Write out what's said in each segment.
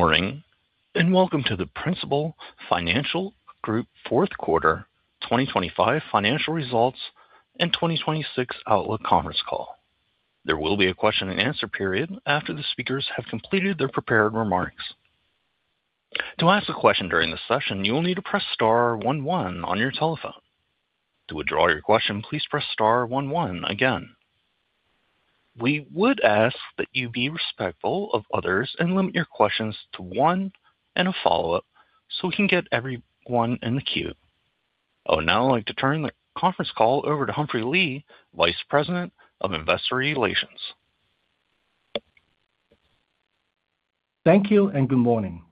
Morning and welcome to the Principal Financial Group 4th Quarter 2025 Financial Results and 2026 Outlook Conference Call. There will be a question and answer period after the speakers have completed their prepared remarks. To ask a question during the session, you will need to press star 11 on your telephone. To withdraw your question, please press star 11 again. We would ask that you be respectful of others and limit your questions to one and a follow-up so we can get everyone in the queue. I would now like to turn the conference call over to Humphrey Lee, Vice President of Investor Relations. Thank you and good morning.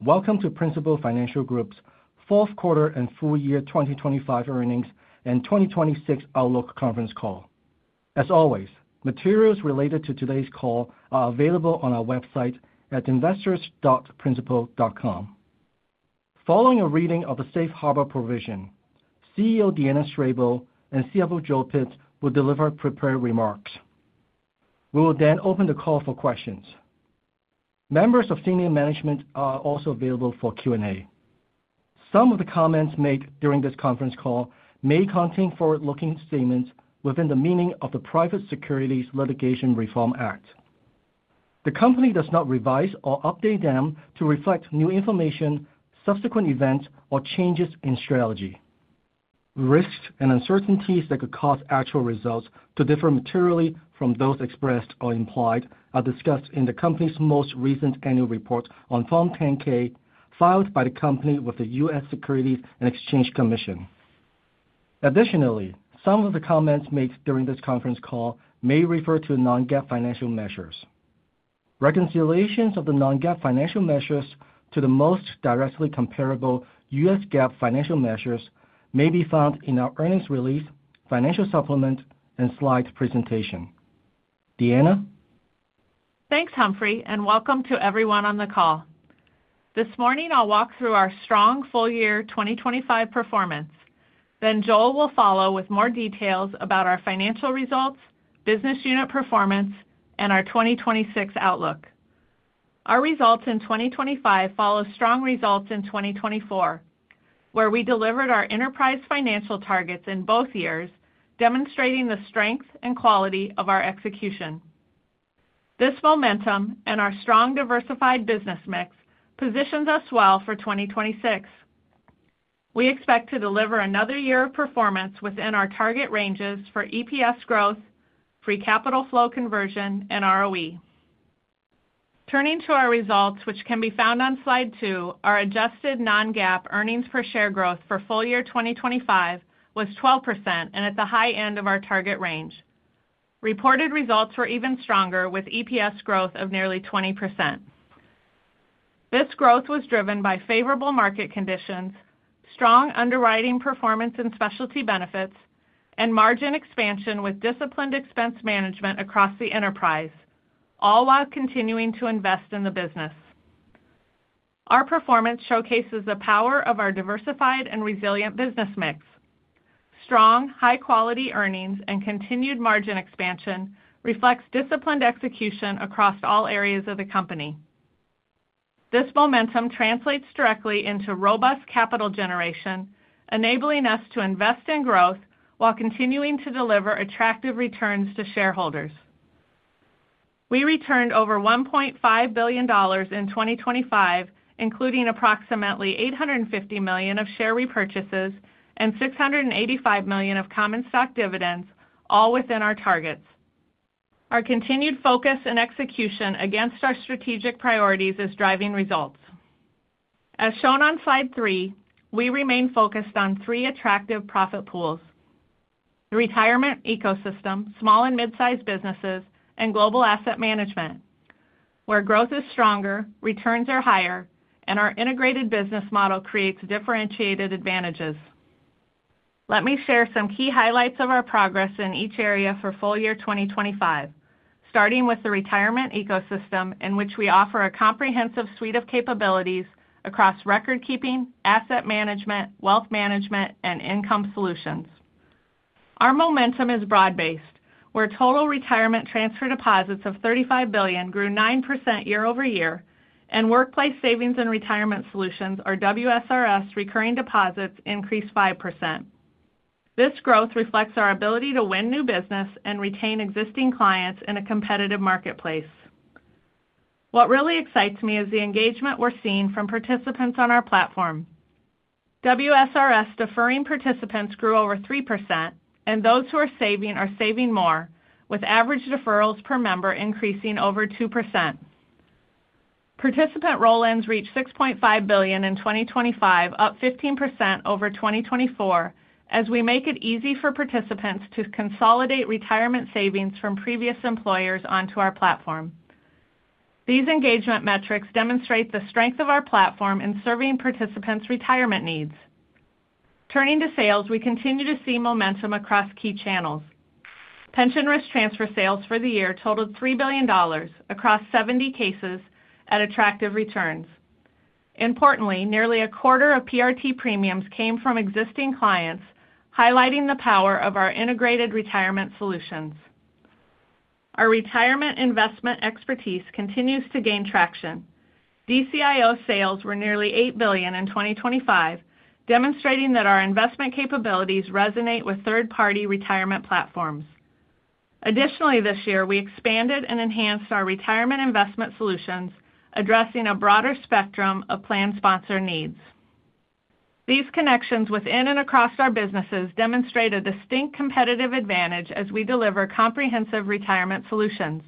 Welcome to Principal Financial Group's fourth quarter and full year 2025 earnings and 2026 outlook conference call. As always, materials related to today's call are available on our website at investors.principal.com. Following a reading of the Safe Harbor Provision, CEO Deanna Strable and CFO Joel Pitz will deliver prepared remarks. We will then open the call for questions. Members of senior management are also available for Q&A. Some of the comments made during this conference call may contain forward-looking statements within the meaning of the Private Securities Litigation Reform Act. The company does not revise or update them to reflect new information, subsequent events, or changes in strategy. Risks and uncertainties that could cause actual results to differ materially from those expressed or implied are discussed in the company's most recent annual report on Form 10-K filed by the company with the U.S. Securities and Exchange Commission. Additionally, some of the comments made during this conference call may refer to non-GAAP financial measures. Reconciliations of the non-GAAP financial measures to the most directly comparable U.S. GAAP financial measures may be found in our earnings release, financial supplement, and slide presentation. Deanna? Thanks, Humphrey, and welcome to everyone on the call. This morning I'll walk through our strong full year 2025 performance, then Joel will follow with more details about our financial results, business unit performance, and our 2026 outlook. Our results in 2025 follow strong results in 2024, where we delivered our enterprise financial targets in both years, demonstrating the strength and quality of our execution. This momentum and our strong diversified business mix positions us well for 2026. We expect to deliver another year of performance within our target ranges for EPS growth, free capital flow conversion, and ROE. Turning to our results, which can be found on slide 2, our adjusted non-GAAP earnings per share growth for full year 2025 was 12% and at the high end of our target range. Reported results were even stronger with EPS growth of nearly 20%. This growth was driven by favorable market conditions, strong underwriting performance and Specialty Benefits, and margin expansion with disciplined expense management across the enterprise, all while continuing to invest in the business. Our performance showcases the power of our diversified and resilient business mix. Strong, high-quality earnings and continued margin expansion reflect disciplined execution across all areas of the company. This momentum translates directly into robust capital generation, enabling us to invest in growth while continuing to deliver attractive returns to shareholders. We returned over $1.5 billion in 2025, including approximately $850 million of share repurchases and $685 million of common stock dividends, all within our targets. Our continued focus and execution against our strategic priorities is driving results. As shown on slide 3, we remain focused on three attractive profit pools: the retirement ecosystem, small and midsize businesses, and global asset management, where growth is stronger, returns are higher, and our integrated business model creates differentiated advantages. Let me share some key highlights of our progress in each area for full year 2025, starting with the retirement ecosystem in which we offer a comprehensive suite of capabilities across record-keeping, asset management, wealth management, and income solutions. Our momentum is broad-based, where total retirement transfer deposits of $35 billion grew 9% year-over-year, and workplace savings and retirement solutions, or WSRS, recurring deposits increased 5%. This growth reflects our ability to win new business and retain existing clients in a competitive marketplace. What really excites me is the engagement we're seeing from participants on our platform. WSRS deferring participants grew over 3%, and those who are saving are saving more, with average deferrals per member increasing over 2%. Participant roll-ins reached $6.5 billion in 2025, up 15% over 2024, as we make it easy for participants to consolidate retirement savings from previous employers onto our platform. These engagement metrics demonstrate the strength of our platform in serving participants' retirement needs. Turning to sales, we continue to see momentum across key channels. Pension risk transfer sales for the year totaled $3 billion across 70 cases at attractive returns. Importantly, nearly a quarter of PRT premiums came from existing clients, highlighting the power of our integrated retirement solutions. Our retirement investment expertise continues to gain traction. DCIO sales were nearly $8 billion in 2025, demonstrating that our investment capabilities resonate with third-party retirement platforms. Additionally, this year we expanded and enhanced our retirement investment solutions, addressing a broader spectrum of plan sponsor needs. These connections within and across our businesses demonstrate a distinct competitive advantage as we deliver comprehensive retirement solutions.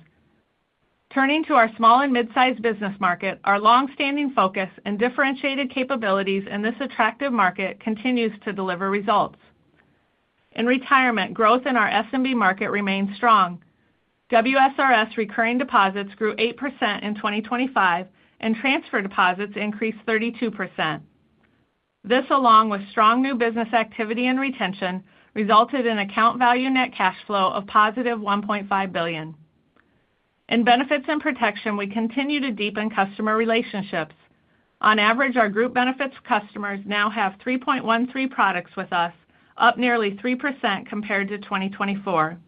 Turning to our small and midsize business market, our longstanding focus and differentiated capabilities in this attractive market continues to deliver results. In retirement, growth in our SMB market remains strong. WSRS recurring deposits grew 8% in 2025, and transfer deposits increased 32%. This, along with strong new business activity and retention, resulted in account value net cash flow of positive $1.5 billion. In Benefits and Protection, we continue to deepen customer relationships. On average, our group benefits customers now have 3.13 products with us, up nearly 3% compared to 2024.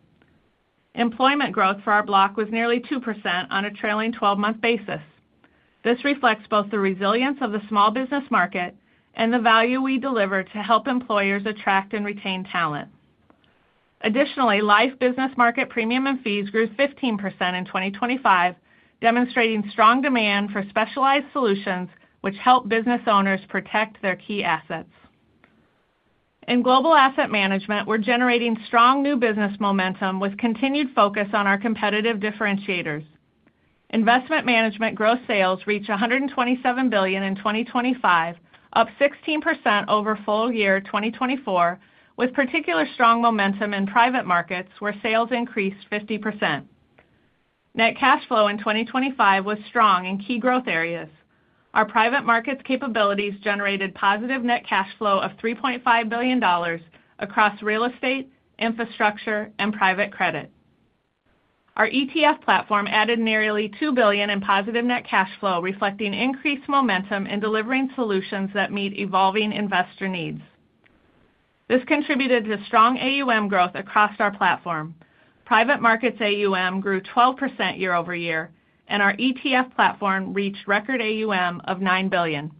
Employment growth for our block was nearly 2% on a trailing 12-month basis. This reflects both the resilience of the small business market and the value we deliver to help employers attract and retain talent. Additionally, life business market premium and fees grew 15% in 2025, demonstrating strong demand for specialized solutions which help business owners protect their key assets. In global asset management, we're generating strong new business momentum with continued focus on our competitive differentiators. Investment Management gross sales reached $127 billion in 2025, up 16% over full-year 2024, with particularly strong momentum in private markets where sales increased 50%. Net cash flow in 2025 was strong in key growth areas. Our private markets capabilities generated positive net cash flow of $3.5 billion across real estate, infrastructure, and private credit. Our ETF platform added nearly $2 billion in positive net cash flow, reflecting increased momentum in delivering solutions that meet evolving investor needs. This contributed to strong AUM growth across our platform. Private markets AUM grew 12% year-over-year, and our ETF platform reached record AUM of $9 billion.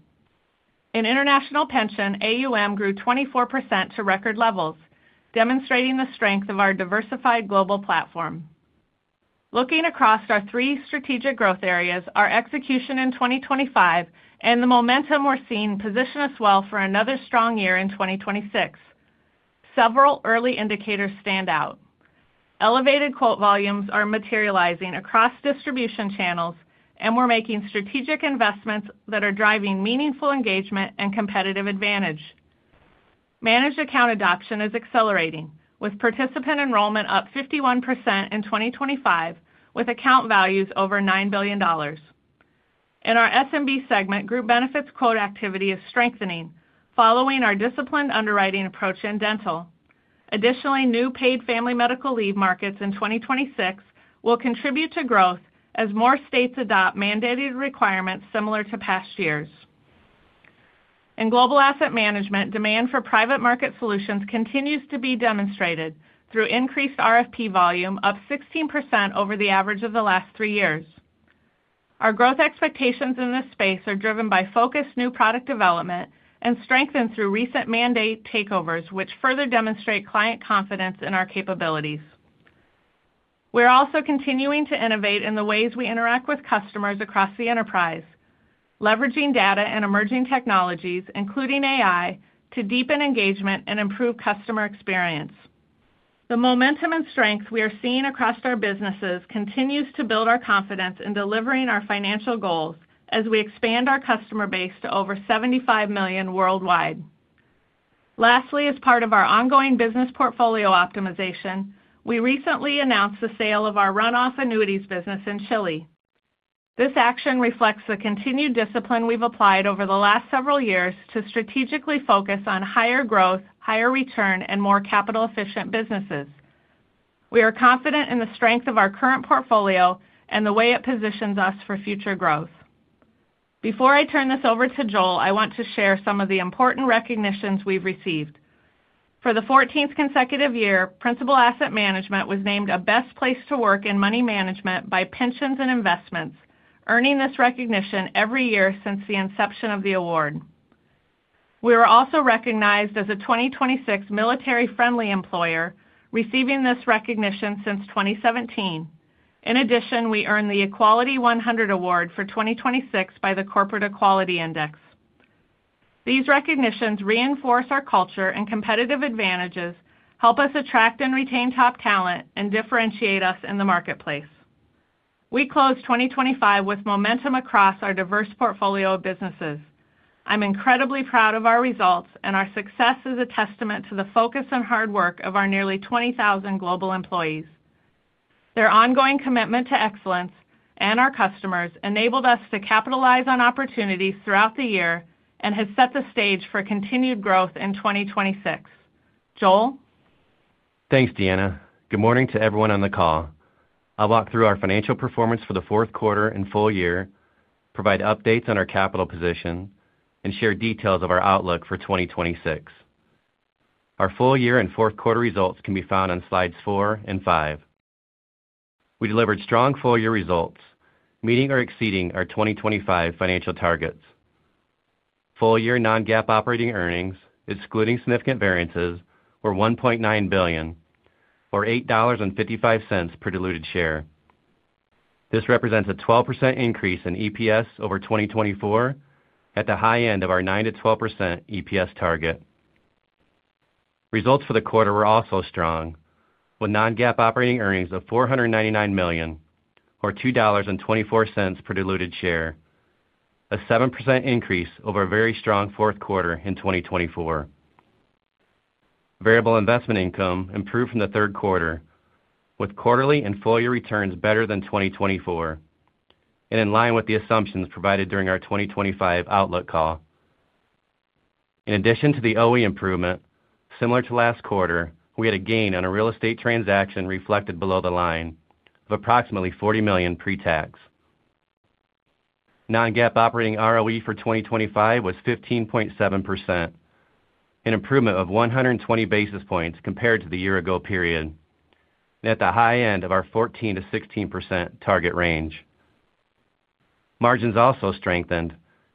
International Pension, AUM grew 24% to record levels, demonstrating the strength of our diversified global platform. Looking across our three strategic growth areas, our execution in 2025 and the momentum we're seeing position us well for another strong year in 2026. Several early indicators stand out. Elevated quote volumes are materializing across distribution channels, and we're making strategic investments that are driving meaningful engagement and competitive advantage. Managed account adoption is accelerating, with participant enrollment up 51% in 2025, with account values over $9 billion. In our SMB segment, group benefits quote activity is strengthening, following our disciplined underwriting approach in dental. Additionally, new paid family medical leave markets in 2026 will contribute to growth as more states adopt mandated requirements similar to past years. In global asset management, demand for private market solutions continues to be demonstrated through increased RFP volume, up 16% over the average of the last three years. Our growth expectations in this space are driven by focused new product development and strengthened through recent mandate takeovers, which further demonstrate client confidence in our capabilities. We're also continuing to innovate in the ways we interact with customers across the enterprise, leveraging data and emerging technologies, including AI, to deepen engagement and improve customer experience. The momentum and strength we are seeing across our businesses continues to build our confidence in delivering our financial goals as we expand our customer base to over 75 million worldwide. Lastly, as part of our ongoing business portfolio optimization, we recently announced the sale of our runoff annuities business in Chile. This action reflects the continued discipline we've applied over the last several years to strategically focus on higher growth, higher return, and more capital-efficient businesses. We are confident in the strength of our current portfolio and the way it positions us for future growth. Before I turn this over to Joel, I want to share some of the important recognitions we've received. For the 14th consecutive year, Principal Asset Management was named a Best Place to Work in Money Management by Pensions & Investments, earning this recognition every year since the inception of the award. We were also recognized as a 2026 military-friendly employer, receiving this recognition since 2017. In addition, we earned the Equality 100 Award for 2026 by the Corporate Equality Index. These recognitions reinforce our culture and competitive advantages, help us attract and retain top talent, and differentiate us in the marketplace. We close 2025 with momentum across our diverse portfolio of businesses. I'm incredibly proud of our results, and our success is a testament to the focus and hard work of our nearly 20,000 global employees. Their ongoing commitment to excellence and our customers enabled us to capitalize on opportunities throughout the year and has set the stage for continued growth in 2026. Joel? Thanks, Deanna. Good morning to everyone on the call. I'll walk through our financial performance for the fourth quarter and full year, provide updates on our capital position, and share details of our outlook for 2026. Our full year and fourth quarter results can be found on slides four and five. We delivered strong full year results, meeting or exceeding our 2025 financial targets. Full year non-GAAP operating earnings, excluding significant variances, were $1.9 billion, or $8.55 per diluted share. This represents a 12% increase in EPS over 2024, at the high end of our 9%-12% EPS target. Results for the quarter were also strong, with non-GAAP operating earnings of $499 million, or $2.24 per diluted share, a 7% increase over a very strong fourth quarter in 2024. Variable investment income improved from the third quarter, with quarterly and full year returns better than 2024, and in line with the assumptions provided during our 2025 outlook call. In addition to the OE improvement, similar to last quarter, we had a gain on a real estate transaction reflected below the line of approximately $40 million pre-tax. Non-GAAP operating ROE for 2025 was 15.7%, an improvement of 120 basis points compared to the year-ago period, and at the high end of our 14%-16% target range. Margins also strengthened,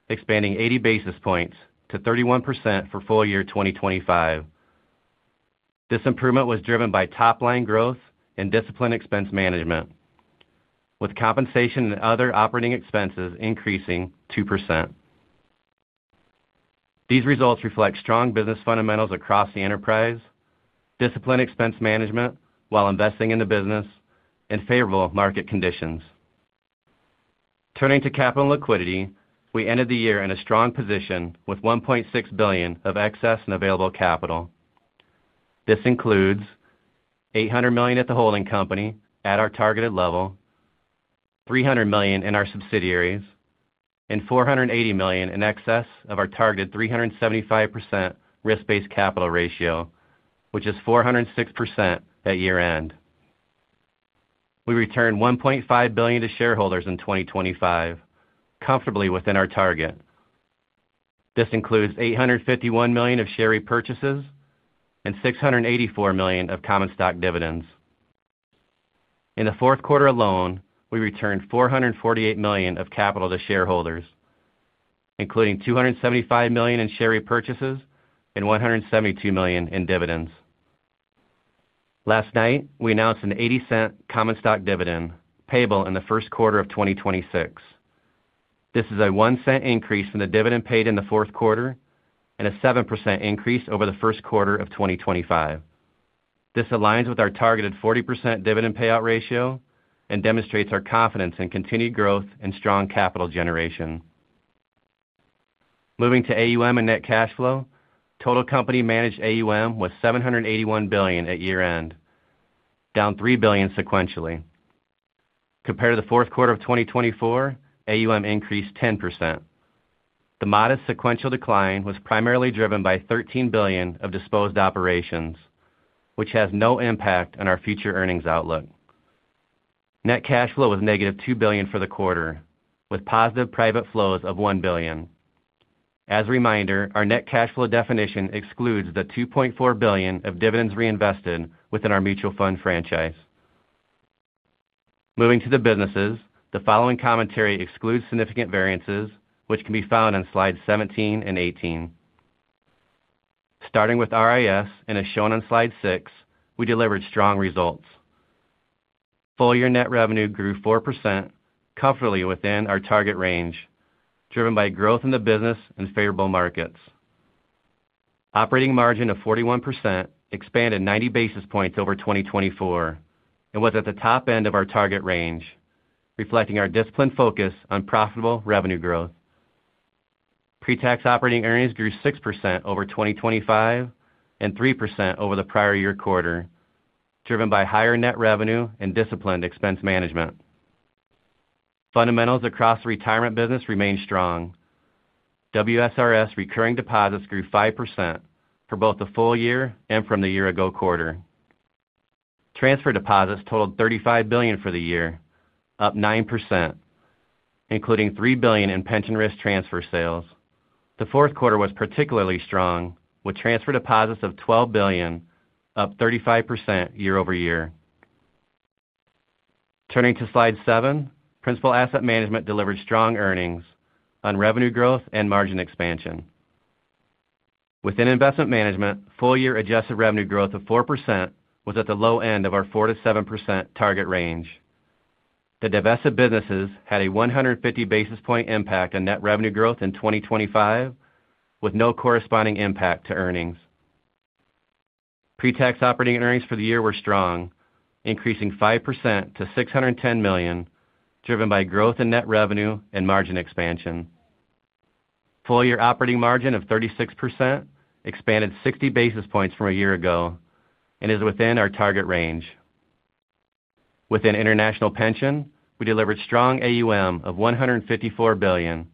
expanding 80 basis points to 31% for full year 2025. This improvement was driven by top-line growth and disciplined expense management, with compensation and other operating expenses increasing 2%. These results reflect strong business fundamentals across the enterprise, disciplined expense management while investing in the business, and favorable market conditions. Turning to capital and liquidity, we ended the year in a strong position with $1.6 billion of excess in available capital. This includes $800 million at the holding company at our targeted level, $300 million in our subsidiaries, and $480 million in excess of our targeted 375% risk-based capital ratio, which is 406% at year-end. We returned $1.5 billion to shareholders in 2025, comfortably within our target. This includes $851 million of share repurchases and $684 million of common stock dividends. In the fourth quarter alone, we returned $448 million of capital to shareholders, including $275 million in share repurchases and $172 million in dividends. Last night, we announced an $0.80 common stock dividend payable in the first quarter of 2026. This is a $0.01 increase from the dividend paid in the fourth quarter and a 7% increase over the first quarter of 2025. This aligns with our targeted 40% dividend payout ratio and demonstrates our confidence in continued growth and strong capital generation. Moving to AUM and net cash flow, total company managed AUM was $781 billion at year-end, down $3 billion sequentially. Compared to the fourth quarter of 2024, AUM increased 10%. The modest sequential decline was primarily driven by $13 billion of disposed operations, which has no impact on our future earnings outlook. Net cash flow was -$2 billion for the quarter, with positive private flows of $1 billion. As a reminder, our net cash flow definition excludes the $2.4 billion of dividends reinvested within our mutual fund franchise. Moving to the businesses, the following commentary excludes significant variances, which can be found on slides 17 and 18. Starting with RIS, and as shown on slide 6, we delivered strong results. Full year net revenue grew 4%, comfortably within our target range, driven by growth in the business and favorable markets. Operating margin of 41% expanded 90 basis points over 2024 and was at the top end of our target range, reflecting our disciplined focus on profitable revenue growth. Pre-tax operating earnings grew 6% over 2025 and 3% over the prior year quarter, driven by higher net revenue and disciplined expense management. Fundamentals across the retirement business remained strong. WSRS recurring deposits grew 5% for both the full year and from the year-ago quarter. Transfer deposits totaled $35 billion for the year, up 9%, including $3 billion in pension risk transfer sales. The fourth quarter was particularly strong, with transfer deposits of $12 billion, up 35% year-over-year. Turning to slide 7, Principal Asset Management delivered strong earnings on revenue growth and margin expansion. Within Investment Management, full year adjusted revenue growth of 4% was at the low end of our 4%-7% target range. The divested businesses had a 150 basis point impact on net revenue growth in 2025, with no corresponding impact to earnings. Pre-tax operating earnings for the year were strong, increasing 5% to $610 million, driven by growth in net revenue and margin expansion. Full year operating margin of 36% expanded 60 basis points from a year ago and is within our target range. Within International Pension, we delivered strong AUM of $154 billion,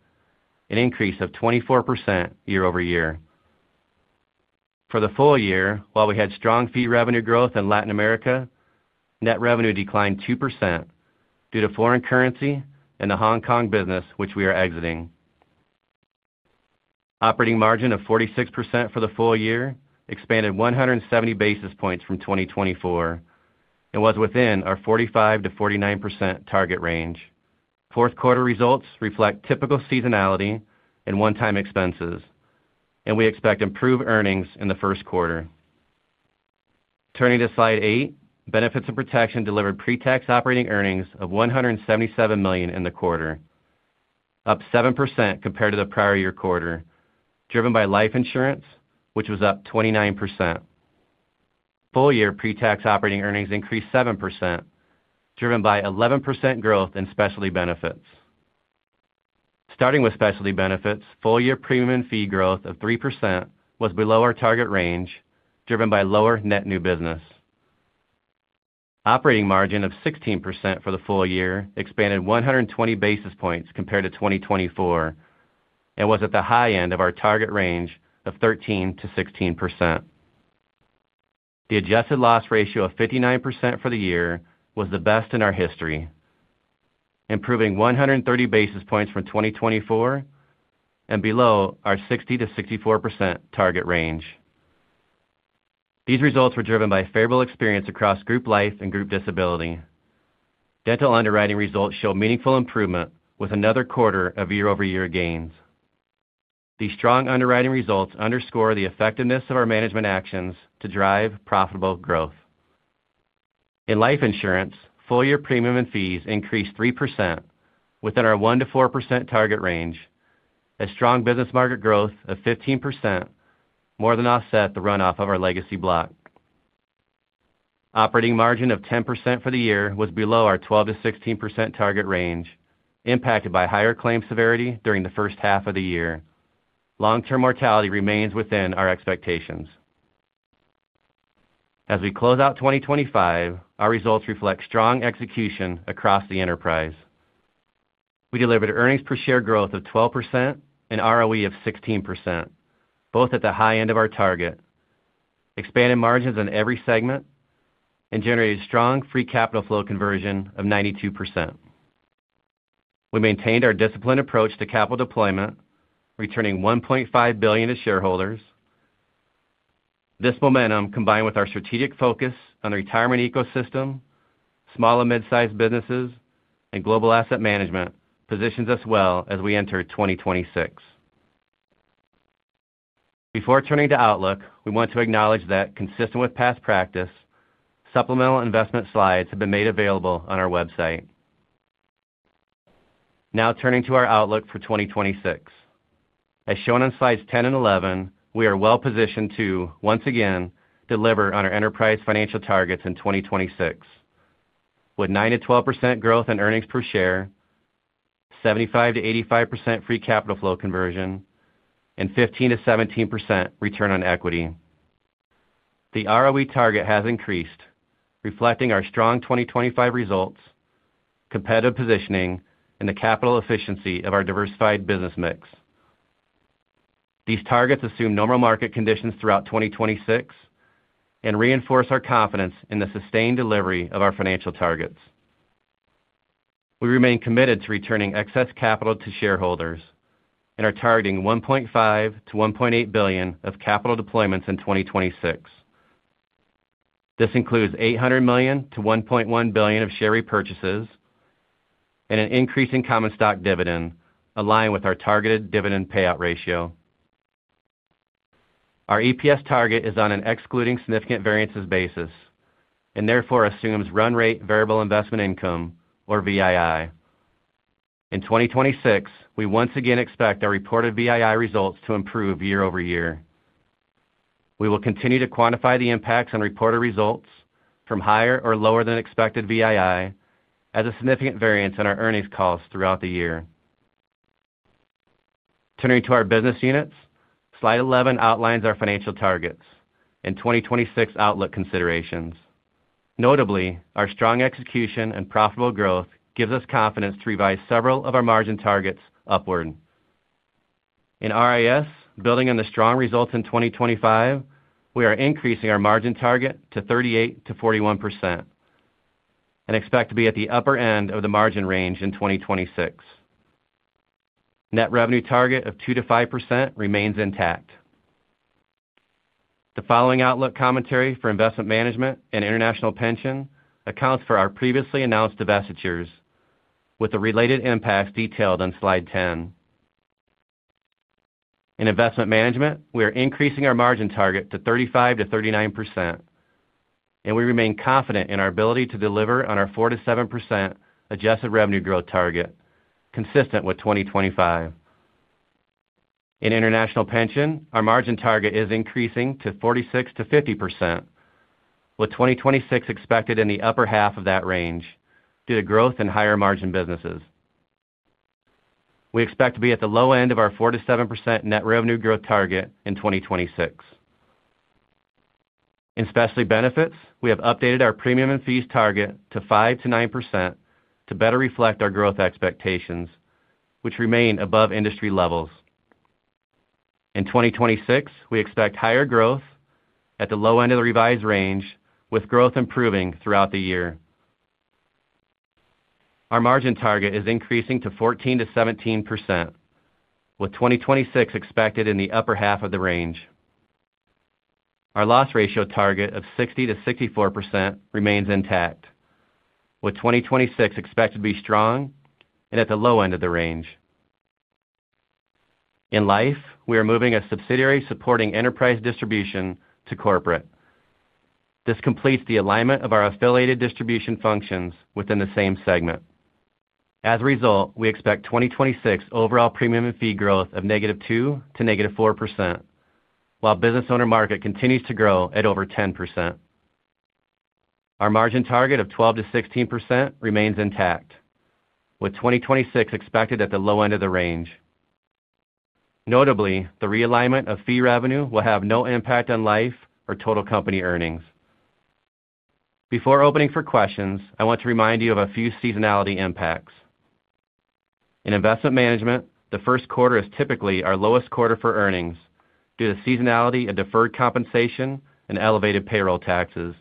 an increase of 24% year-over-year. For the full year, while we had strong fee revenue growth in Latin America, net revenue declined 2% due to foreign currency and the Hong Kong business, which we are exiting. Operating margin of 46% for the full year expanded 170 basis points from 2024 and was within our 45%-49% target range. Fourth quarter results reflect typical seasonality and one-time expenses, and we expect improved earnings in the first quarter. Turning to slide 8, Benefits and Protection delivered pre-tax operating earnings of $177 million in the quarter, up 7% compared to the prior year quarter, driven by life insurance, which was up 29%. Full year pre-tax operating earnings increased 7%, driven by 11% growth in Specialty Benefits. Starting with Specialty Benefits, full year premium and fee growth of 3% was below our target range, driven by lower net new business. Operating margin of 16% for the full year expanded 120 basis points compared to 2024 and was at the high end of our target range of 13%-16%. The adjusted loss ratio of 59% for the year was the best in our history, improving 130 basis points from 2024 and below our 60%-64% target range. These results were driven by favorable experience across group life and group disability. Dental underwriting results showed meaningful improvement, with another quarter of year-over-year gains. These strong underwriting results underscore the effectiveness of our management actions to drive profitable growth. In life insurance, full year premium and fees increased 3%, within our 1%-4% target range, as strong business market growth of 15% more than offset the runoff of our legacy block. Operating margin of 10% for the year was below our 12%-16% target range, impacted by higher claim severity during the first half of the year. Long-term mortality remains within our expectations. As we close out 2025, our results reflect strong execution across the enterprise. We delivered earnings per share growth of 12% and ROE of 16%, both at the high end of our target, expanded margins on every segment, and generated strong free capital flow conversion of 92%. We maintained our disciplined approach to capital deployment, returning $1.5 billion to shareholders. This momentum, combined with our strategic focus on the retirement ecosystem, small and midsize businesses, and global asset management, positions us well as we enter 2026. Before turning to outlook, we want to acknowledge that, consistent with past practice, supplemental investment slides have been made available on our website. Now turning to our outlook for 2026. As shown on slides 10 and 11, we are well positioned to, once again, deliver on our enterprise financial targets in 2026, with 9%-12% growth in earnings per share, 75%-85% free capital flow conversion, and 15%-17% return on equity. The ROE target has increased, reflecting our strong 2025 results, competitive positioning, and the capital efficiency of our diversified business mix. These targets assume normal market conditions throughout 2026 and reinforce our confidence in the sustained delivery of our financial targets. We remain committed to returning excess capital to shareholders and are targeting $1.5-$1.8 billion of capital deployments in 2026. This includes $800 million-$1.1 billion of share repurchases and an increase in common stock dividend, aligned with our targeted dividend payout ratio. Our EPS target is on an excluding significant variances basis and, therefore, assumes run rate variable investment income, or VII. In 2026, we once again expect our reported VII results to improve year over year. We will continue to quantify the impacts on reported results from higher or lower than expected VII as a significant variance on our earnings costs throughout the year. Turning to our business units, slide 11 outlines our financial targets and 2026 outlook considerations. Notably, our strong execution and profitable growth gives us confidence to revise several of our margin targets upward. In RIS, building on the strong results in 2025, we are increasing our margin target to 38%-41% and expect to be at the upper end of the margin range in 2026. Net revenue target of 2%-5% remains intact. The following outlook commentary for Investment Management and International Pension accounts for our previously announced divestitures, with the related impacts detailed on slide 10. In Investment Management, we are increasing our margin target to 35%-39%, and we remain confident in our ability to deliver on our 4%-7% adjusted revenue growth target, consistent with 2025. In International Pension, our margin target is increasing to 46%-50%, with 2026 expected in the upper half of that range due to growth in higher margin businesses. We expect to be at the low end of our 4%-7% net revenue growth target in 2026. In Specialty Benefits, we have updated our premium and fees target to 5%-9% to better reflect our growth expectations, which remain above industry levels. In 2026, we expect higher growth at the low end of the revised range, with growth improving throughout the year. Our margin target is increasing to 14%-17%, with 2026 expected in the upper half of the range. Our loss ratio target of 60%-64% remains intact, with 2026 expected to be strong and at the low end of the range. In life, we are moving a subsidiary supporting enterprise distribution to corporate. This completes the alignment of our affiliated distribution functions within the same segment. As a result, we expect 2026 overall premium and fee growth of -2% to -4%, while business owner market continues to grow at over 10%. Our margin target of 12%-16% remains intact, with 2026 expected at the low end of the range. Notably, the realignment of fee revenue will have no impact on life or total company earnings. Before opening for questions, I want to remind you of a few seasonality impacts. In Investment Management, the first quarter is typically our lowest quarter for earnings due to seasonality of deferred compensation and elevated payroll taxes.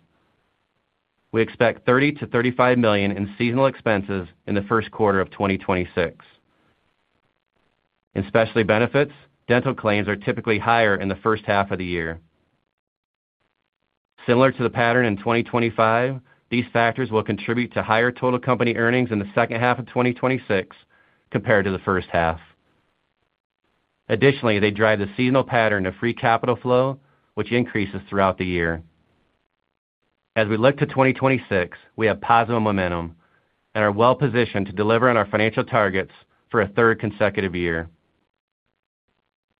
We expect $30-35 million in seasonal expenses in the first quarter of 2026. In Specialty Benefits, dental claims are typically higher in the first half of the year. Similar to the pattern in 2025, these factors will contribute to higher total company earnings in the second half of 2026 compared to the first half. Additionally, they drive the seasonal pattern of free capital flow, which increases throughout the year. As we look to 2026, we have positive momentum and are well positioned to deliver on our financial targets for a third consecutive year.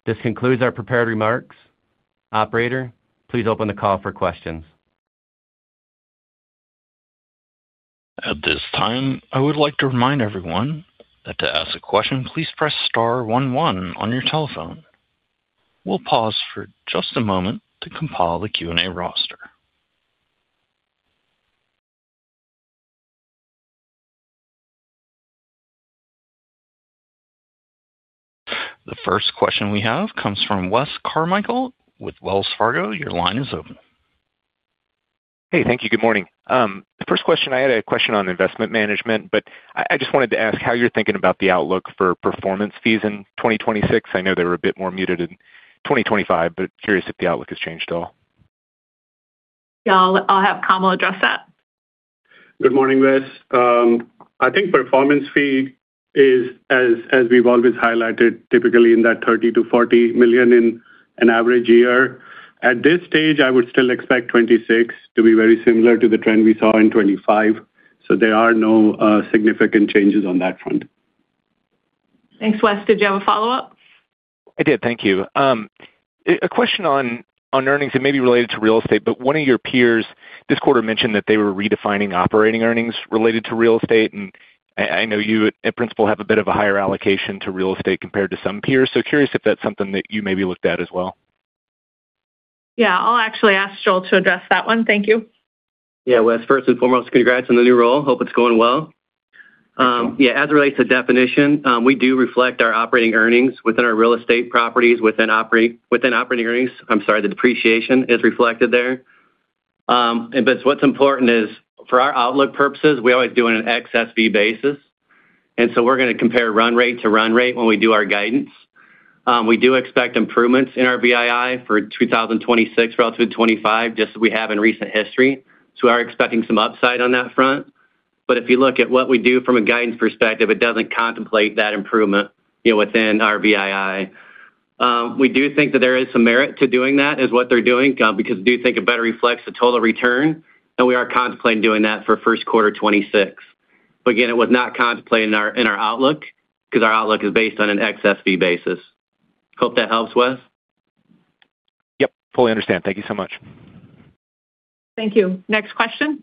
This concludes our prepared remarks. Operator, please open the call for questions. At this time, I would like to remind everyone that to ask a question, please press star 11 on your telephone. We'll pause for just a moment to compile the Q&A roster. The first question we have comes from Wes Carmichael. With Wells Fargo, your line is open. Hey, thank you. Good morning. The first question on Investment Management, but I just wanted to ask how you're thinking about the outlook for performance fees in 2026. I know they were a bit more muted in 2025, but curious if the outlook has changed at all. Yeah, I'll-I'll have Kamal address that. Good morning, Wes. I think performance fee is, as we've always highlighted, typically in that $30 million-$40 million in an average year. At this stage, I would still expect 2026 to be very similar to the trend we saw in 2025, so there are no significant changes on that front. Thanks, Wes. Did you have a follow-up? I did, thank you. A question on earnings, and maybe related to real estate, but one of your peers this quarter mentioned that they were redefining operating earnings related to real estate. I know you at Principal have a bit of a higher allocation to real estate compared to some peers, so curious if that's something that you maybe looked at as well. Yeah, I'll actually ask Joel to address that one. Thank you. Yeah, Wes, first and foremost, congrats on the new role. Hope it's going well. Yeah, as it relates to definition, we do reflect our operating earnings within our real estate properties, within operating, within operating earnings. I'm sorry, the depreciation is reflected there. But what's important is, for our outlook purposes, we always do it on an ex-SV basis, and so we're going to compare run rate to run rate when we do our guidance. We do expect improvements in our VII for 2026 relative to 2025, just as we have in recent history, so we are expecting some upside on that front. But if you look at what we do from a guidance perspective, it doesn't contemplate that improvement, you know, within our VII. We do think that there is some merit to doing that, is what they're doing, because we do think it better reflects the total return, and we are contemplating doing that for first quarter 2026. But again, it was not contemplated in our—in our outlook because our outlook is based on an ex-SV basis. Hope that helps, Wes. Yep, fully understand. Thank you so much. Thank you. Next question.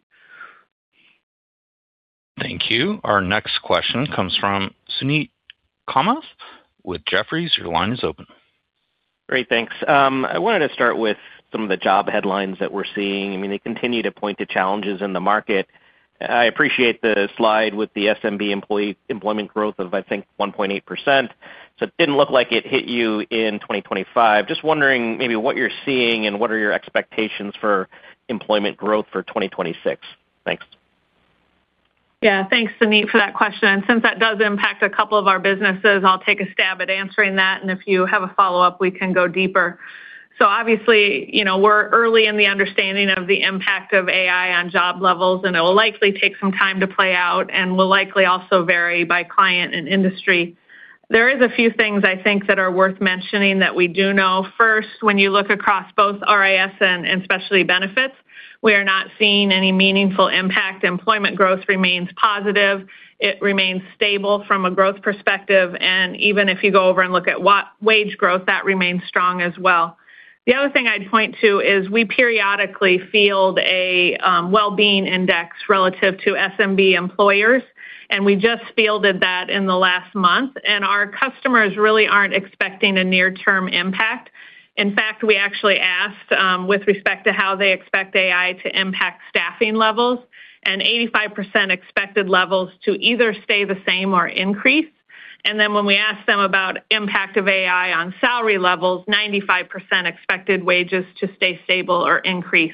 Thank you. Our next question comes from Sunit Kamath with Jefferies. Your line is open. Great, thanks. I wanted to start with some of the job headlines that we're seeing. I mean, they continue to point to challenges in the market. I appreciate the slide with the SMB employee employment growth of, I think, 1.8%. So it didn't look like it hit you in 2025. Just wondering maybe what you're seeing and what are your expectations for employment growth for 2026. Thanks. Yeah, thanks, Sunit, for that question. Since that does impact a couple of our businesses, I'll take a stab at answering that, and if you have a follow-up, we can go deeper. Obviously, you know, we're early in the understanding of the impact of AI on job levels, and it will likely take some time to play out and will likely also vary by client and industry. There are a few things, I think, that are worth mentioning that we do know. First, when you look across both RIS and Specialty Benefits, we are not seeing any meaningful impact. Employment growth remains positive. It remains stable from a growth perspective, and even if you go over and look at what wage growth, that remains strong as well. The other thing I'd point to is we periodically field a well-being index relative to SMB employers, and we just fielded that in the last month, and our customers really aren't expecting a near-term impact. In fact, we actually asked, with respect to how they expect AI to impact staffing levels, and 85% expected levels to either stay the same or increase. And then when we asked them about impact of AI on salary levels, 95% expected wages to stay stable or increase.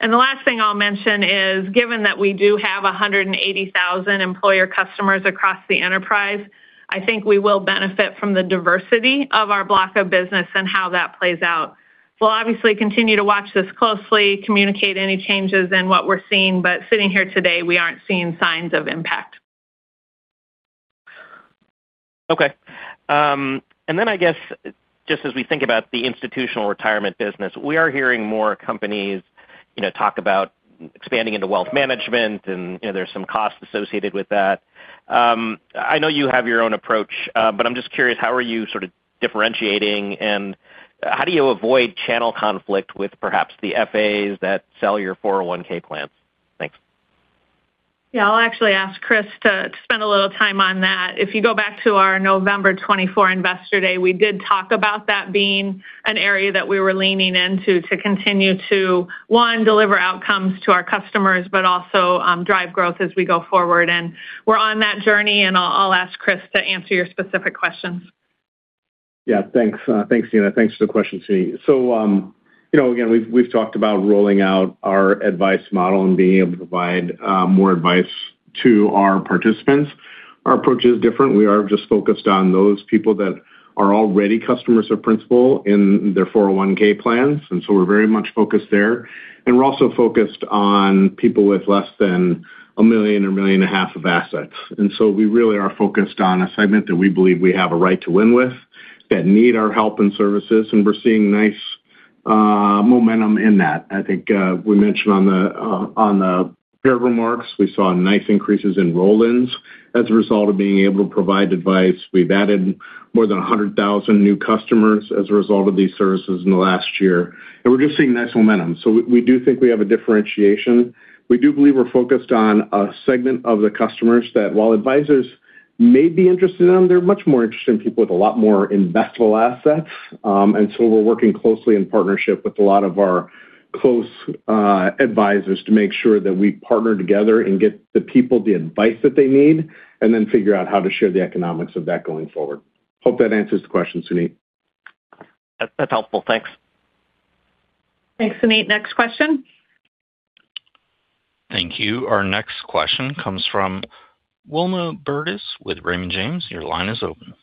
And the last thing I'll mention is, given that we do have 180,000 employer customers across the enterprise, I think we will benefit from the diversity of our block of business and how that plays out. We'll obviously continue to watch this closely, communicate any changes in what we're seeing, but sitting here today, we aren't seeing signs of impact. Okay. And then, I guess, just as we think about the institutional retirement business, we are hearing more companies, you know, talk about expanding into wealth management, and, you know, there's some cost associated with that. I know you have your own approach, but I'm just curious, how are you sort of differentiating, and how do you avoid channel conflict with perhaps the FAs that sell your 401(k) plans? Thanks. Yeah, I'll actually ask Chris to spend a little time on that. If you go back to our November 24 Investor Day, we did talk about that being an area that we were leaning into to continue to, one, deliver outcomes to our customers, but also, drive growth as we go forward. And we're on that journey, and I'll ask Chris to answer your specific questions. Yeah, thanks. Thanks, Deanna. Thanks for the question, Sunit. So, you know, again, we've—we've talked about rolling out our advice model and being able to provide more advice to our participants. Our approach is different. We are just focused on those people that are already customers of Principal in their 401(k) plans, and so we're very much focused there. And we're also focused on people with less than one million or 1.5 million of assets. And so we really are focused on a segment that we believe we have a right to win with that need our help and services, and we're seeing nice momentum in that. I think we mentioned on the, on the prepared remarks, we saw nice increases in roll-ins as a result of being able to provide advice. We've added more than 100,000 new customers as a result of these services in the last year, and we're just seeing nice momentum. So we—we do think we have a differentiation. We do believe we're focused on a segment of the customers that, while advisors may be interested in them, they're much more interested in people with a lot more investable assets. And so we're working closely in partnership with a lot of our close advisors to make sure that we partner together and get the people the advice that they need and then figure out how to share the economics of that going forward. Hope that answers the question, Sunit. That's helpful. Thanks. Thanks, Suneet. Next question. Thank you. Our next question comes from Wilma Burdis with Raymond James. Your line is open.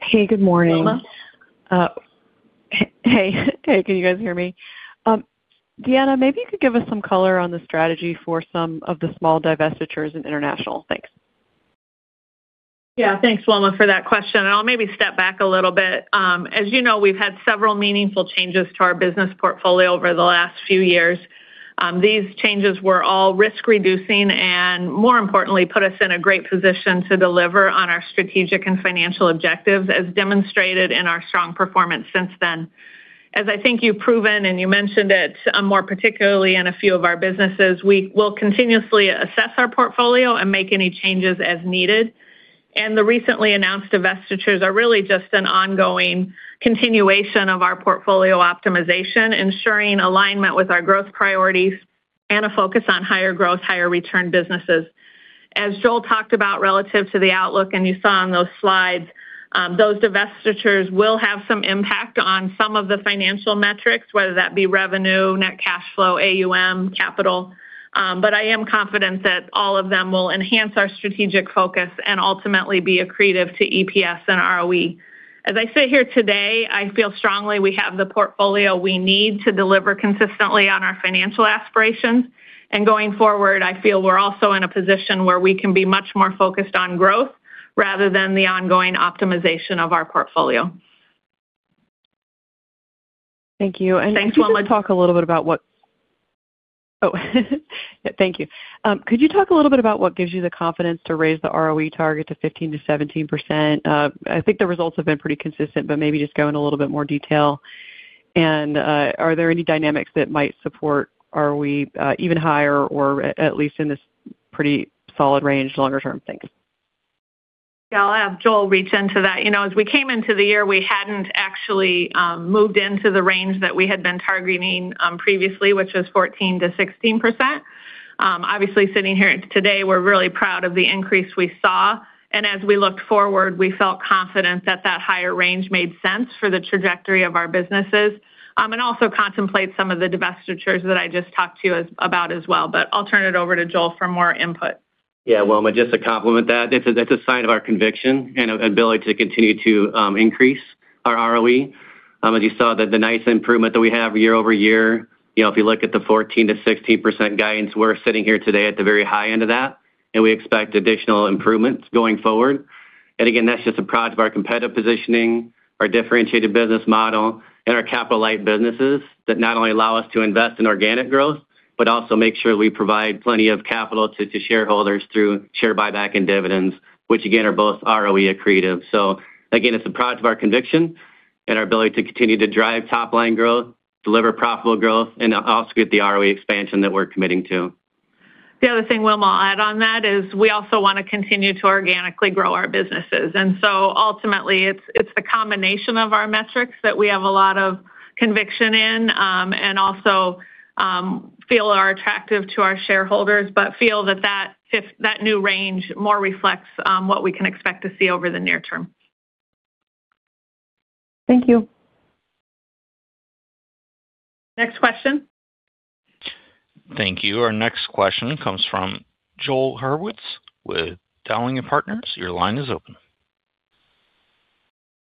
Hey, good morning. Wilma? Hey, can you guys hear me? Deanna, maybe you could give us some color on the strategy for some of the small divestitures in international. Thanks. Yeah, thanks, Wilma, for that question. I'll maybe step back a little bit. As you know, we've had several meaningful changes to our business portfolio over the last few years. These changes were all risk-reducing and, more importantly, put us in a great position to deliver on our strategic and financial objectives, as demonstrated in our strong performance since then. As I think you've proven and you mentioned it, more particularly in a few of our businesses, we will continuously assess our portfolio and make any changes as needed. The recently announced divestitures are really just an ongoing continuation of our portfolio optimization, ensuring alignment with our growth priorities and a focus on higher growth, higher return businesses. As Joel talked about relative to the outlook, and you saw on those slides, those divestitures will have some impact on some of the financial metrics, whether that be revenue, net cash flow, AUM, capital. But I am confident that all of them will enhance our strategic focus and ultimately be accretive to EPS and ROE. As I sit here today, I feel strongly we have the portfolio we need to deliver consistently on our financial aspirations. And going forward, I feel we're also in a position where we can be much more focused on growth rather than the ongoing optimization of our portfolio. Thank you. Could you talk a little bit about what gives you the confidence to raise the ROE target to 15%-17%? I think the results have been pretty consistent, but maybe just go into a little bit more detail. And, are there any dynamics that might support ROE, even higher or at least in this pretty solid range longer term? Thanks. Yeah, I'll have Joel reach into that. You know, as we came into the year, we hadn't actually moved into the range that we had been targeting previously, which was 14%-16%. Obviously, sitting here today, we're really proud of the increase we saw. As we looked forward, we felt confident that that higher range made sense for the trajectory of our businesses, and also contemplate some of the divestitures that I just talked to you about as well. But I'll turn it over to Joel for more input. Yeah, Wilma, just to complement that, that's a sign of our conviction and an ability to continue to increase our ROE. As you saw, the nice improvement that we have year-over-year, you know, if you look at the 14%-16% guidance, we're sitting here today at the very high end of that, and we expect additional improvements going forward. And again, that's just a product of our competitive positioning, our differentiated business model, and our capital-light businesses that not only allow us to invest in organic growth but also make sure we provide plenty of capital to shareholders through share buyback and dividends, which again are both ROE accretive. So again, it's a product of our conviction and our ability to continue to drive top-line growth, deliver profitable growth, and also get the ROE expansion that we're committing to. The other thing Wilma will add on that is we also want to continue to organically grow our businesses. And so ultimately, it's, it's the combination of our metrics that we have a lot of conviction in, and also, feel are attractive to our shareholders, but feel that that, that new range more reflects what we can expect to see over the near term. Thank you. Next question. Thank you. Our next question comes from Joel Hurwitz with Dowling & Partners. Your line is open.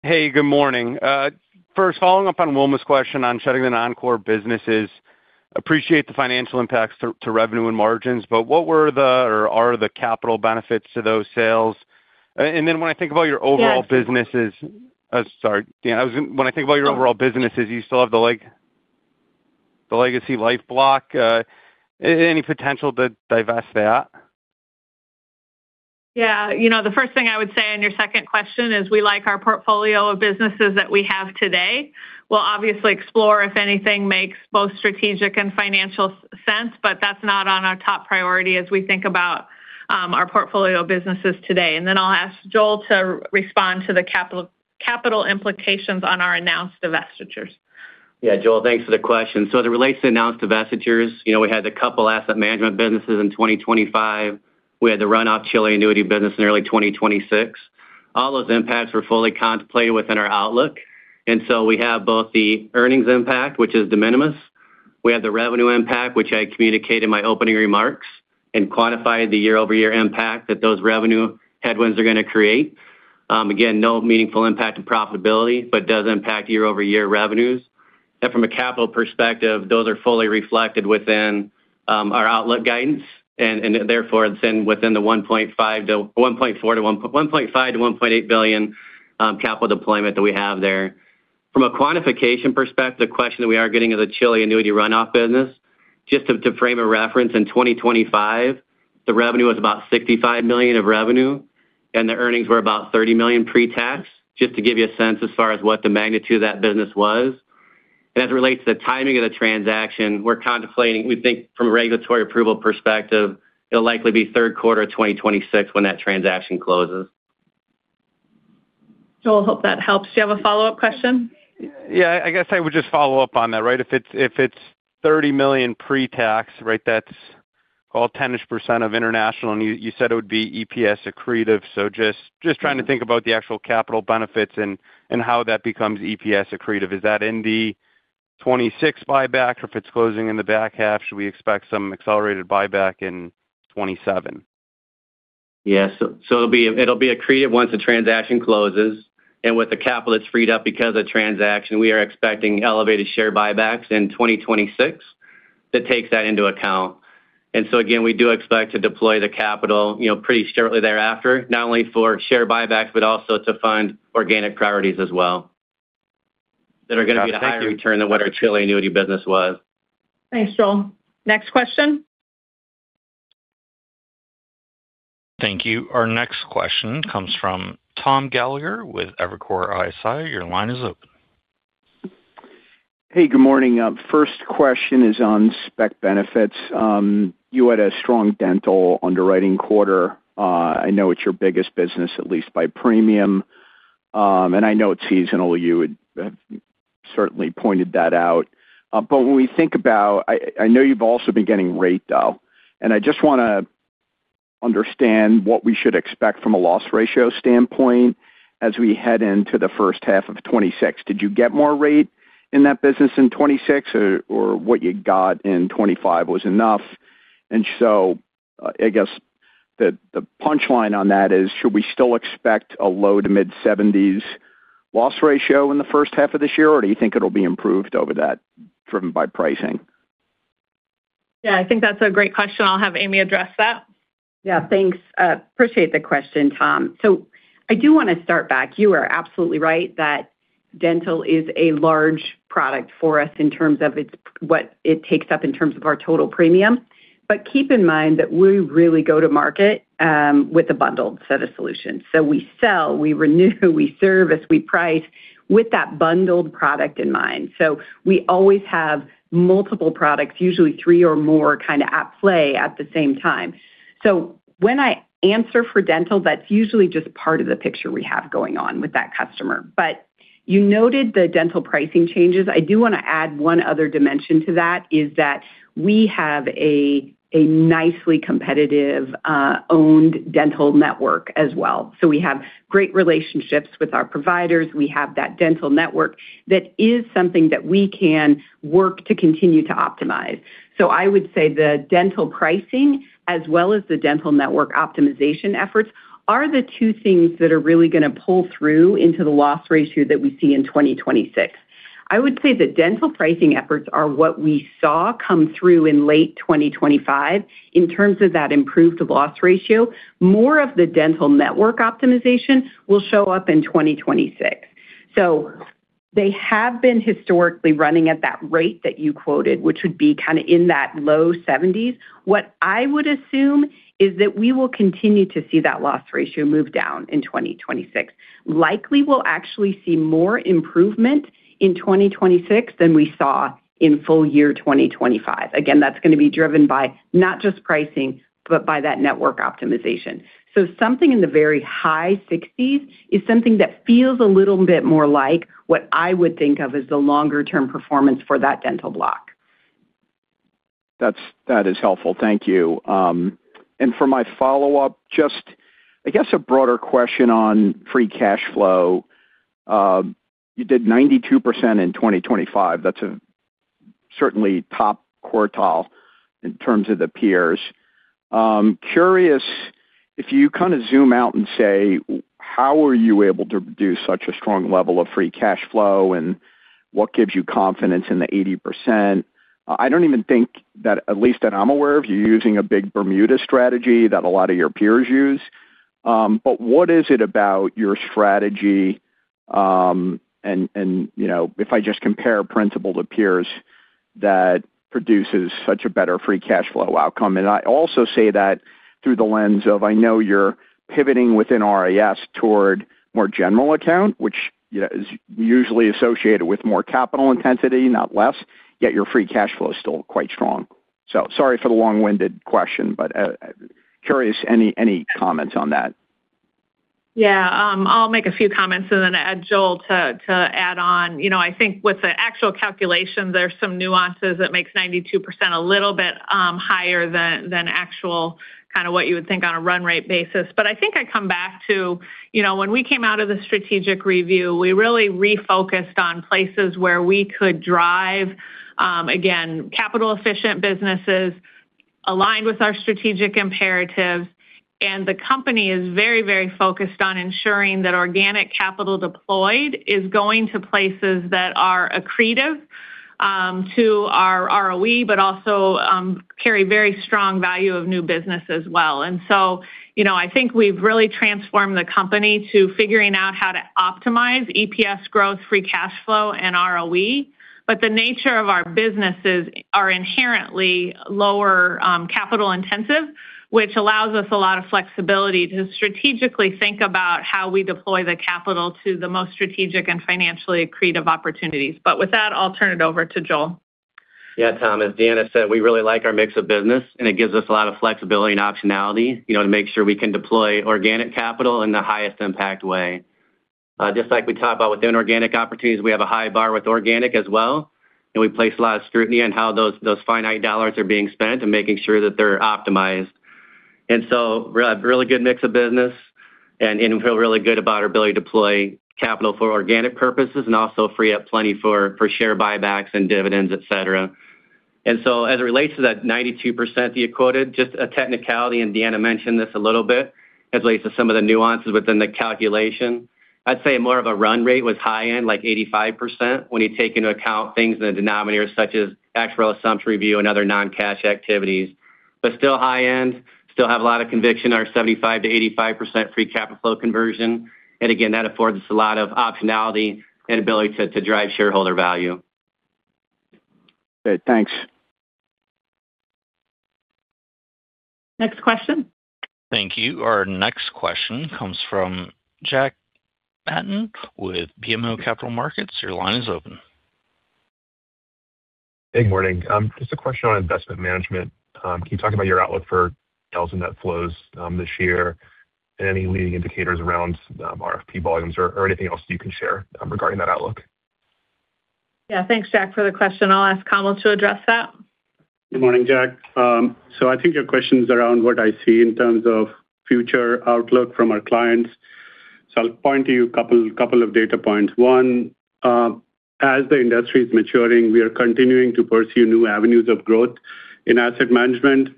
Hey, good morning. First, following up on Wilma's question on shutting down non-core businesses, appreciate the financial impacts to revenue and margins, but what were the or are the capital benefits to those sales? And then when I think about your overall businesses, sorry, Deanna, I was going to, when I think about your overall businesses, you still have the legacy life block. Any potential to divest that? Yeah, you know, the first thing I would say in your second question is we like our portfolio of businesses that we have today. We'll obviously explore if anything makes both strategic and financial sense, but that's not on our top priority as we think about our portfolio businesses today. And then I'll ask Joel to respond to the capital implications on our announced divestitures. Yeah, Joel, thanks for the question. So as it relates to announced divestitures, you know, we had a couple asset management businesses in 2025. We had the runoff Chile annuity business in early 2026. All those impacts were fully contemplated within our outlook. And so we have both the earnings impact, which is de minimis. We have the revenue impact, which I communicated in my opening remarks and quantified the year-over-year impact that those revenue headwinds are going to create. Again, no meaningful impact on profitability, but does impact year-over-year revenues. And from a capital perspective, those are fully reflected within our outlook guidance and—and therefore it's in within the $1.5 to $1.4 to $1.5 to $1.8 billion capital deployment that we have there. From a quantification perspective, the question that we are getting is a Chile annuity runoff business. Just to frame a reference, in 2025, the revenue was about $65 million of revenue, and the earnings were about $30 million pre-tax, just to give you a sense as far as what the magnitude of that business was. As it relates to the timing of the transaction, we're contemplating, we think, from a regulatory approval perspective, it'll likely be third quarter of 2026 when that transaction closes. Joel, I hope that helps. Do you have a follow-up question? Yeah, I guess I would just follow up on that, right? If it's $30 million pre-tax, right, that's all 10-ish% of international, and you said it would be EPS accretive, so just trying to think about the actual capital benefits and how that becomes EPS accretive. Is that in the 2026 buyback, or if it's closing in the back half, should we expect some accelerated buyback in 2027? Yeah, so it'll be accretive once the transaction closes. With the capital that's freed up because of the transaction, we are expecting elevated share buybacks in 2026 that takes that into account. So again, we do expect to deploy the capital, you know, pretty shortly thereafter, not only for share buybacks, but also to fund organic priorities as well that are going to be the higher return than what our Chilean annuity business was. Thanks, Joel. Next question. Thank you. Our next question comes from Tom Gallagher with Evercore ISI. Your line is open. Hey, good morning. First question is on Specialty Benefits. You had a strong dental underwriting quarter. I know it's your biggest business, at least by premium. I know it's seasonal. You had certainly pointed that out. When we think about, I know you've also been getting rate, though. I just want to understand what we should expect from a loss ratio standpoint as we head into the first half of 2026. Did you get more rate in that business in 2026, or what you got in 2025 was enough? So, I guess the punchline on that is, should we still expect a low- to mid-70s loss ratio in the first half of this year, or do you think it'll be improved over that, driven by pricing? Yeah, I think that's a great question. I'll have Amy address that. Yeah, thanks. Appreciate the question, Tom. So I do want to start back. You are absolutely right that dental is a large product for us in terms of its, what it takes up in terms of our total premium. But keep in mind that we really go to market, with a bundled set of solutions. So we sell, we renew, we service, we price with that bundled product in mind. So we always have multiple products, usually three or more, kind of at play at the same time. So when I answer for dental, that's usually just part of the picture we have going on with that customer. But you noted the dental pricing changes. I do want to add one other dimension to that is that we have a nicely competitive, owned dental network as well. So we have great relationships with our providers. We have that dental network that is something that we can work to continue to optimize. So I would say the dental pricing, as well as the dental network optimization efforts, are the two things that are really going to pull through into the loss ratio that we see in 2026. I would say the dental pricing efforts are what we saw come through in late 2025 in terms of that improved loss ratio. More of the dental network optimization will show up in 2026. So they have been historically running at that rate that you quoted, which would be kind of in that low 70s. What I would assume is that we will continue to see that loss ratio move down in 2026. Likely, we'll actually see more improvement in 2026 than we saw in full year 2025. Again, that's going to be driven by not just pricing, but by that network optimization. So something in the very high 60s is something that feels a little bit more like what I would think of as the longer-term performance for that dental block. That's—that is helpful. Thank you. And for my follow-up, just I guess a broader question on free cash flow. You did 92% in 2025. That's certainly top quartile in terms of the peers. Curious if you kind of zoom out and say, how are you able to produce such a strong level of free cash flow, and what gives you confidence in the 80%? I don't even think that, at least that I'm aware of, you're using a big Bermuda strategy that a lot of your peers use. But what is it about your strategy, and, you know, if I just compare Principal to peers, that produces such a better free cash flow outcome? I also say that through the lens of, I know you're pivoting within RIS toward more general account, which, you know, is usually associated with more capital intensity, not less, yet your free cash flow is still quite strong. So sorry for the long-winded question, but, curious any comments on that? Yeah, I'll make a few comments, and then I'll add Joel to add on. You know, I think with the actual calculation, there's some nuances. It makes 92% a little bit higher than actual kind of what you would think on a run-rate basis. But I think I come back to, you know, when we came out of the strategic review, we really refocused on places where we could drive, again, capital-efficient businesses aligned with our strategic imperatives. And the company is very, very focused on ensuring that organic capital deployed is going to places that are accretive to our ROE, but also carry very strong value of new business as well. And so, you know, I think we've really transformed the company to figuring out how to optimize EPS growth, free cash flow, and ROE. But the nature of our businesses are inherently lower, capital-intensive, which allows us a lot of flexibility to strategically think about how we deploy the capital to the most strategic and financially accretive opportunities. But with that, I'll turn it over to Joel. Yeah, Tom, as Deanna said, we really like our mix of business, and it gives us a lot of flexibility and optionality, you know, to make sure we can deploy organic capital in the highest impact way. Just like we talked about within organic opportunities, we have a high bar with organic as well. And we place a lot of scrutiny on how those finite dollars are being spent and making sure that they're optimized. And so really a really good mix of business, and we feel really good about our ability to deploy capital for organic purposes and also free up plenty for share buybacks and dividends, etc. And so as it relates to that 92% that you quoted, just a technicality, and Deanna mentioned this a little bit as it relates to some of the nuances within the calculation, I'd say more of a run rate was high-end, like 85%, when you take into account things in the denominator such as actual assumption review and other non-cash activities. But still high-end, still have a lot of conviction in our 75%-85% free capital flow conversion. And again, that affords us a lot of optionality and ability to—to drive shareholder value. Great. Thanks. Next question. Thank you. Our next question comes from Jack Matten with BMO Capital Markets. Your line is open. Hey, good morning. Just a question on Investment Management. Can you talk about your outlook for our net flows this year and any leading indicators around RFP volumes or—or anything else that you can share regarding that outlook? Yeah, thanks, Jack, for the question. I'll ask Kamal to address that. Good morning, Jack. I think your question's around what I see in terms of future outlook from our clients. I'll point to you a couple-couple of data points. One, as the industry's maturing, we are continuing to pursue new avenues of growth in asset management.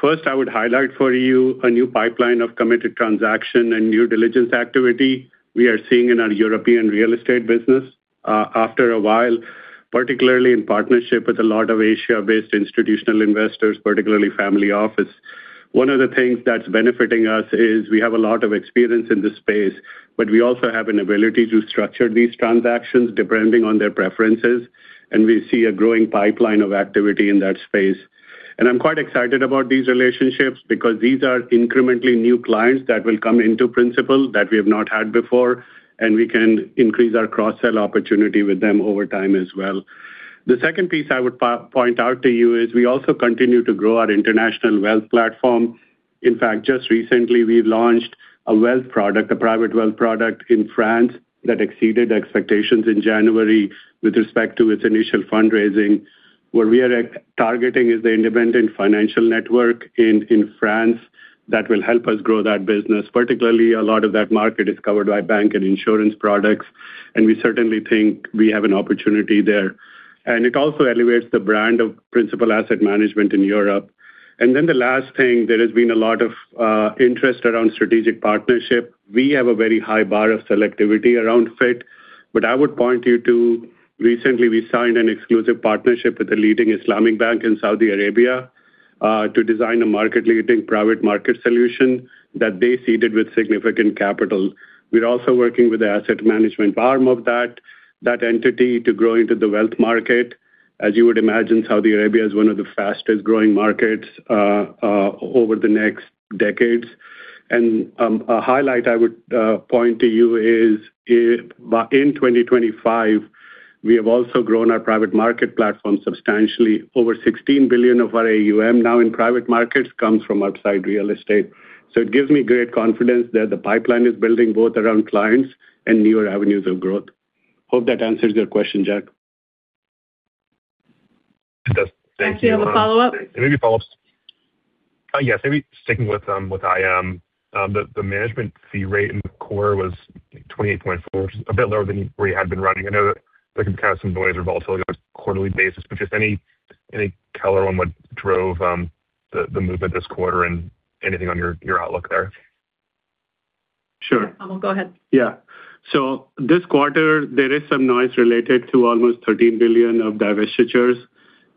First, I would highlight for you a new pipeline of committed transaction and new diligence activity we are seeing in our European real estate business, after a while, particularly in partnership with a lot of Asia-based institutional investors, particularly family office. One of the things that's benefiting us is we have a lot of experience in this space, but we also have an ability to structure these transactions depending on their preferences. We see a growing pipeline of activity in that space. I'm quite excited about these relationships because these are incrementally new clients that will come into Principal that we have not had before, and we can increase our cross-sell opportunity with them over time as well. The second piece I would point out to you is we also continue to grow our international wealth platform. In fact, just recently, we launched a wealth product, a private wealth product in France that exceeded expectations in January with respect to its initial fundraising. What we are targeting is the independent financial network in France that will help us grow that business. Particularly, a lot of that market is covered by bank and insurance products. We certainly think we have an opportunity there. It also elevates the brand of Principal Asset Management in Europe. Then the last thing, there has been a lot of interest around strategic partnership. We have a very high bar of selectivity around fit. But I would point you to recently, we signed an exclusive partnership with the leading Islamic bank in Saudi Arabia, to design a market-leading private market solution that they seeded with significant capital. We're also working with the asset management arm of that, that entity, to grow into the wealth market. As you would imagine, Saudi Arabia is one of the fastest-growing markets, over the next decades. A highlight I would point to you is, in 2025, we have also grown our private market platform substantially. Over $16 billion of our AUM now in private markets comes from outside real estate. So it gives me great confidence that the pipeline is building both around clients and newer avenues of growth. Hope that answers your question, Jack. Fantastic. Thank you. Thank you. Have a follow-up? Maybe follow-ups. Yes, maybe sticking with IAM. The management fee rate in the quarter was 28.4, which is a bit lower than where you had been running. I know that there can be kind of some noise or volatility on a quarterly basis, but just any color on what drove the movement this quarter and anything on your outlook there. Sure. Kamal, go ahead. Yeah. So this quarter, there is some noise related to almost $13 billion of divestitures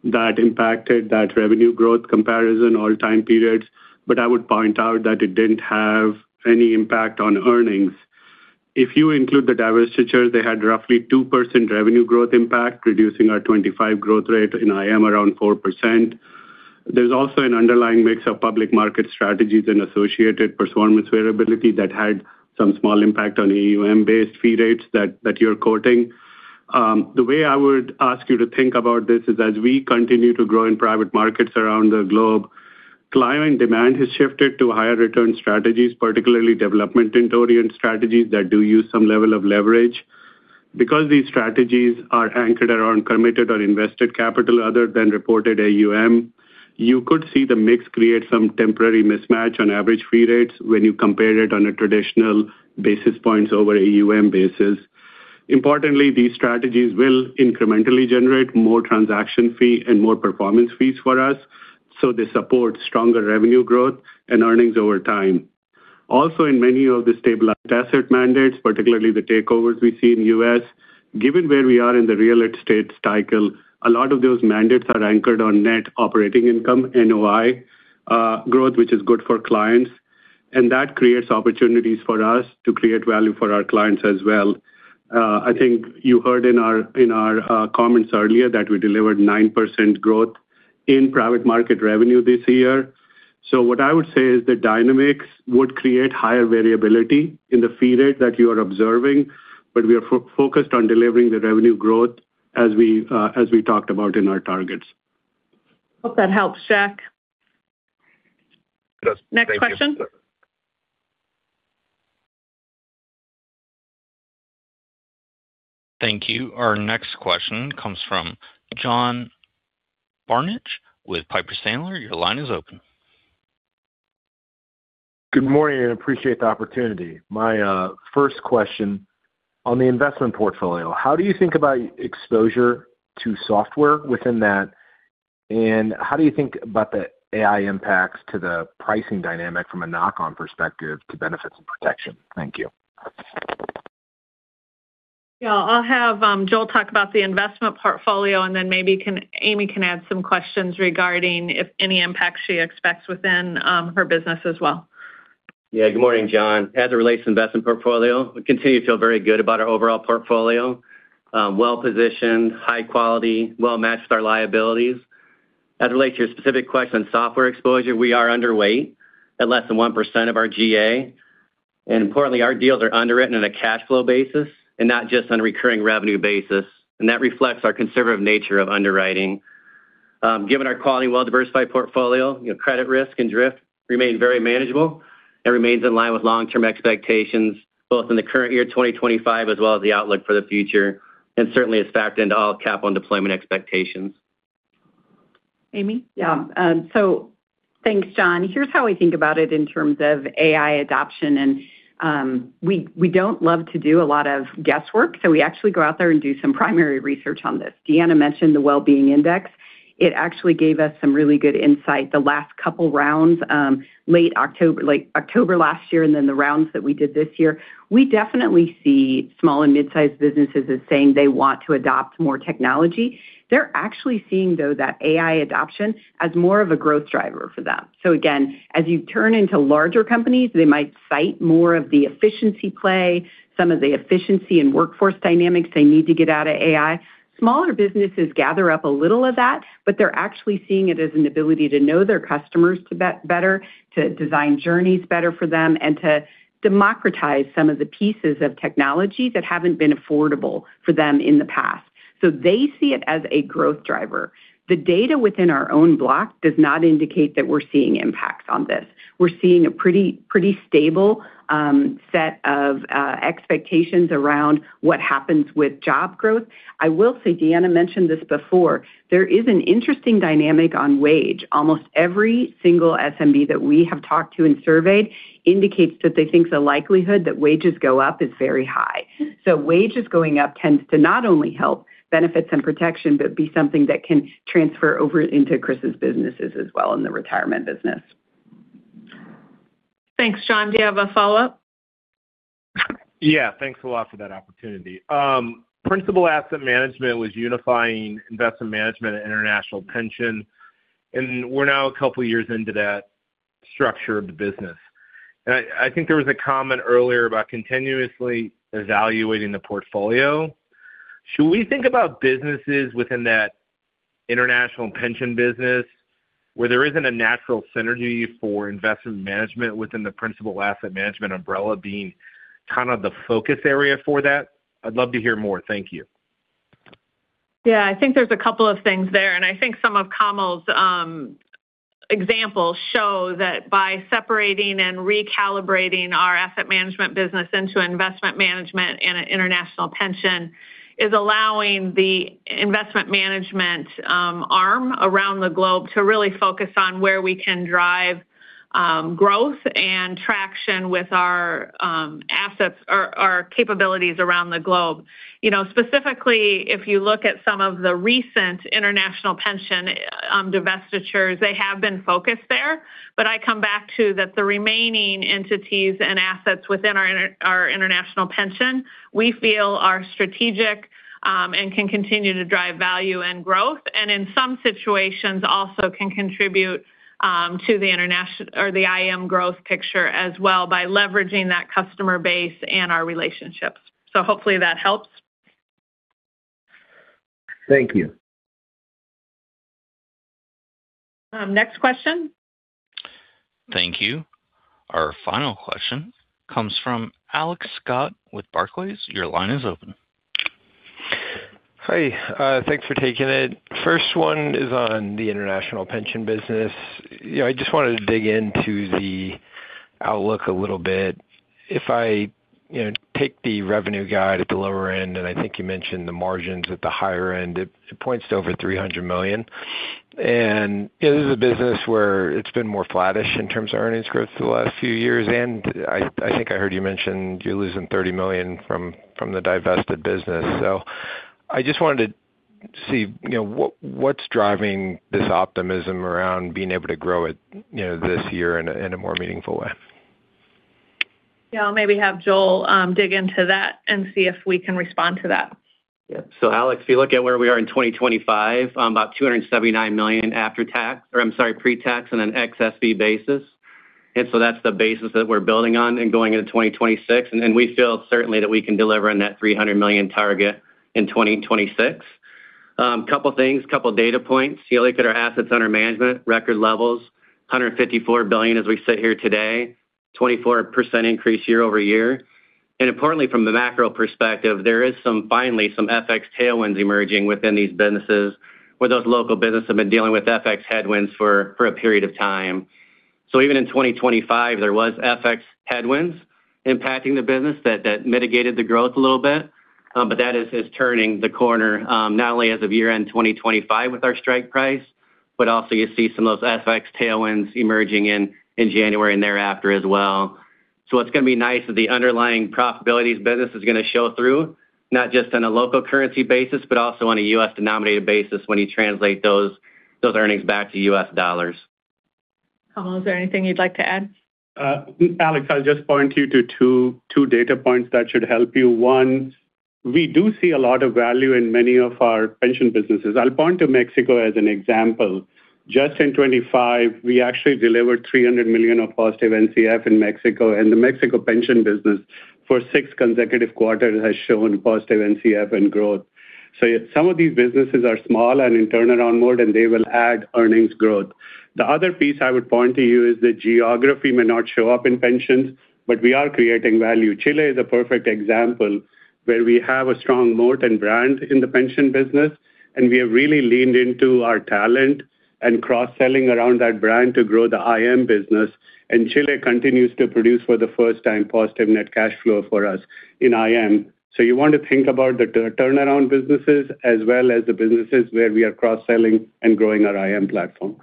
that impacted that revenue growth comparison all-time periods. But I would point out that it didn't have any impact on earnings. If you include the divestitures, they had roughly 2% revenue growth impact, reducing our 2-5 growth rate in IAM around 4%. There's also an underlying mix of public market strategies and associated performance variability that had some small impact on AUM-based fee rates that you're quoting. The way I would ask you to think about this is, as we continue to grow in private markets around the globe, client demand has shifted to higher-return strategies, particularly development-oriented strategies that do use some level of leverage. Because these strategies are anchored around committed or invested capital other than reported AUM, you could see the mix create some temporary mismatch on average fee rates when you compare it on a traditional basis points over AUM basis. Importantly, these strategies will incrementally generate more transaction fee and more performance fees for us, so they support stronger revenue growth and earnings over time. Also, in many of the stabilized asset mandates, particularly the takeovers we see in the U.S., given where we are in the real estate cycle, a lot of those mandates are anchored on net operating income, NOI, growth, which is good for clients. And that creates opportunities for us to create value for our clients as well. I think you heard in our comments earlier that we delivered 9% growth in private market revenue this year. So what I would say is the dynamics would create higher variability in the fee rate that you are observing, but we are focused on delivering the revenue growth as we talked about in our targets. Hope that helps, Jack. Fantastic. Next question? Thank you. Our next question comes from John Barnidge with Piper Sandler. Your line is open. Good morning. I appreciate the opportunity. My first question, on the investment portfolio, how do you think about exposure to software within that, and how do you think about the AI impacts to the pricing dynamic from a knock-on perspective to Benefits and Protection? Thank you. Yeah, I'll have Joel talk about the investment portfolio, and then maybe Amy can add some questions regarding if any impacts she expects within her business as well. Yeah, good morning, John. As it relates to investment portfolio, we continue to feel very good about our overall portfolio. Well-positioned, high quality, well-matched with our liabilities. As it relates to your specific question on software exposure, we are underweight at less than 1% of our GA. And importantly, our deals are underwritten on a cash flow basis and not just on a recurring revenue basis. And that reflects our conservative nature of underwriting. Given our quality and well-diversified portfolio, you know, credit risk and drift remain very manageable. It remains in line with long-term expectations, both in the current year, 2025, as well as the outlook for the future, and certainly is factored into all capital deployment expectations. Amy? Yeah. So thanks, John. Here's how we think about it in terms of AI adoption. We don't love to do a lot of guesswork, so we actually go out there and do some primary research on this. Deanna mentioned the Well-Being Index. It actually gave us some really good insight the last couple rounds, late October last year and then the rounds that we did this year. We definitely see small and midsize businesses as saying they want to adopt more technology. They're actually seeing, though, that AI adoption as more of a growth driver for them. So again, as you turn into larger companies, they might cite more of the efficiency play, some of the efficiency and workforce dynamics they need to get out of AI. Smaller businesses gather up a little of that, but they're actually seeing it as an ability to know their customers better, to design journeys better for them, and to democratize some of the pieces of technology that haven't been affordable for them in the past. So they see it as a growth driver. The data within our own block does not indicate that we're seeing impacts on this. We're seeing a pretty, pretty stable set of expectations around what happens with job growth. I will say Deanna mentioned this before. There is an interesting dynamic on wage. Almost every single SMB that we have talked to and surveyed indicates that they think the likelihood that wages go up is very high. So wages going up tends to not only help Benefits and Protection but be something that can transfer over into Chris's businesses as well in the retirement business. Thanks, John. Do you have a follow-up? Yeah. Thanks a lot for that opportunity. Principal Asset Management was unifying Investment Management and International Pension. We're now a couple years into that structure of the business. I think there was a comment earlier about continuously evaluating the portfolio. Should we think about businesses within that International Pension business where there isn't a natural synergy for Investment Management within the Principal Asset Management umbrella being kind of the focus area for that? I'd love to hear more. Thank you. Yeah. I think there's a couple of things there. And I think some of Kamal's examples show that by separating and recalibrating our asset management business into Investment Management and an International Pension is allowing the Investment Management arm around the globe to really focus on where we can drive growth and traction with our assets or capabilities around the globe. You know, specifically, if you look at some of the recent International Pension divestitures, they have been focused there. But I come back to that the remaining entities and assets within our International Pension, we feel are strategic, and can continue to drive value and growth and in some situations also can contribute to the international or the IAM growth picture as well by leveraging that customer base and our relationships. So hopefully, that helps. Thank you. next question. Thank you. Our final question comes from Alex Scott with Barclays. Your line is open. Hi. Thanks for taking it. First one is on the International Pension business. You know, I just wanted to dig into the outlook a little bit. If I, you know, take the revenue guide at the lower end, and I think you mentioned the margins at the higher end, it—it points to over $300 million. And, you know, this is a business where it's been more flatish in terms of earnings growth the last few years. And I—I think I heard you mentioned you're losing $30 million from—from the divested business. So I just wanted to see, you know, what—what's driving this optimism around being able to grow it, you know, this year in a—in a more meaningful way? Yeah. I'll maybe have Joel dig into that and see if we can respond to that. Yep. So Alex, if you look at where we are in 2025, about $279 million after tax or I'm sorry, pre-tax on an ex-SB basis. So that's the basis that we're building on and going into 2026. And we feel certainly that we can deliver on that $300 million target in 2026. Couple things, couple data points. You know, look at our assets under management, record levels, $154 billion as we sit here today, 24% year-over-year increase. And importantly, from the macro perspective, there is some finally some FX tailwinds emerging within these businesses where those local businesses have been dealing with FX headwinds for a period of time. So even in 2025, there was FX headwinds impacting the business that mitigated the growth a little bit. but that is turning the corner, not only as of year-end 2025 with our strike price, but also you see some of those FX tailwinds emerging in January and thereafter as well. So what's going to be nice is the underlying profitability business is going to show through not just on a local currency basis but also on a U.S.-denominated basis when you translate those earnings back to U.S. dollars. Kamal, is there anything you'd like to add? Alex, I'll just point you to two-two data points that should help you. One, we do see a lot of value in many of our pension businesses. I'll point to Mexico as an example. Just in 2025, we actually delivered $300 million of positive NCF in Mexico. And the Mexico pension business for six consecutive quarters has shown positive NCF and growth. So some of these businesses are small and in turnaround mode, and they will add earnings growth. The other piece I would point to you is that geography may not show up in pensions, but we are creating value. Chile is a perfect example where we have a strong moat and brand in the pension business. And we have really leaned into our talent and cross-selling around that brand to grow the IAM business. Chile continues to produce for the first time positive net cash flow for us in IAM. So you want to think about the turnaround businesses as well as the businesses where we are cross-selling and growing our IAM platform.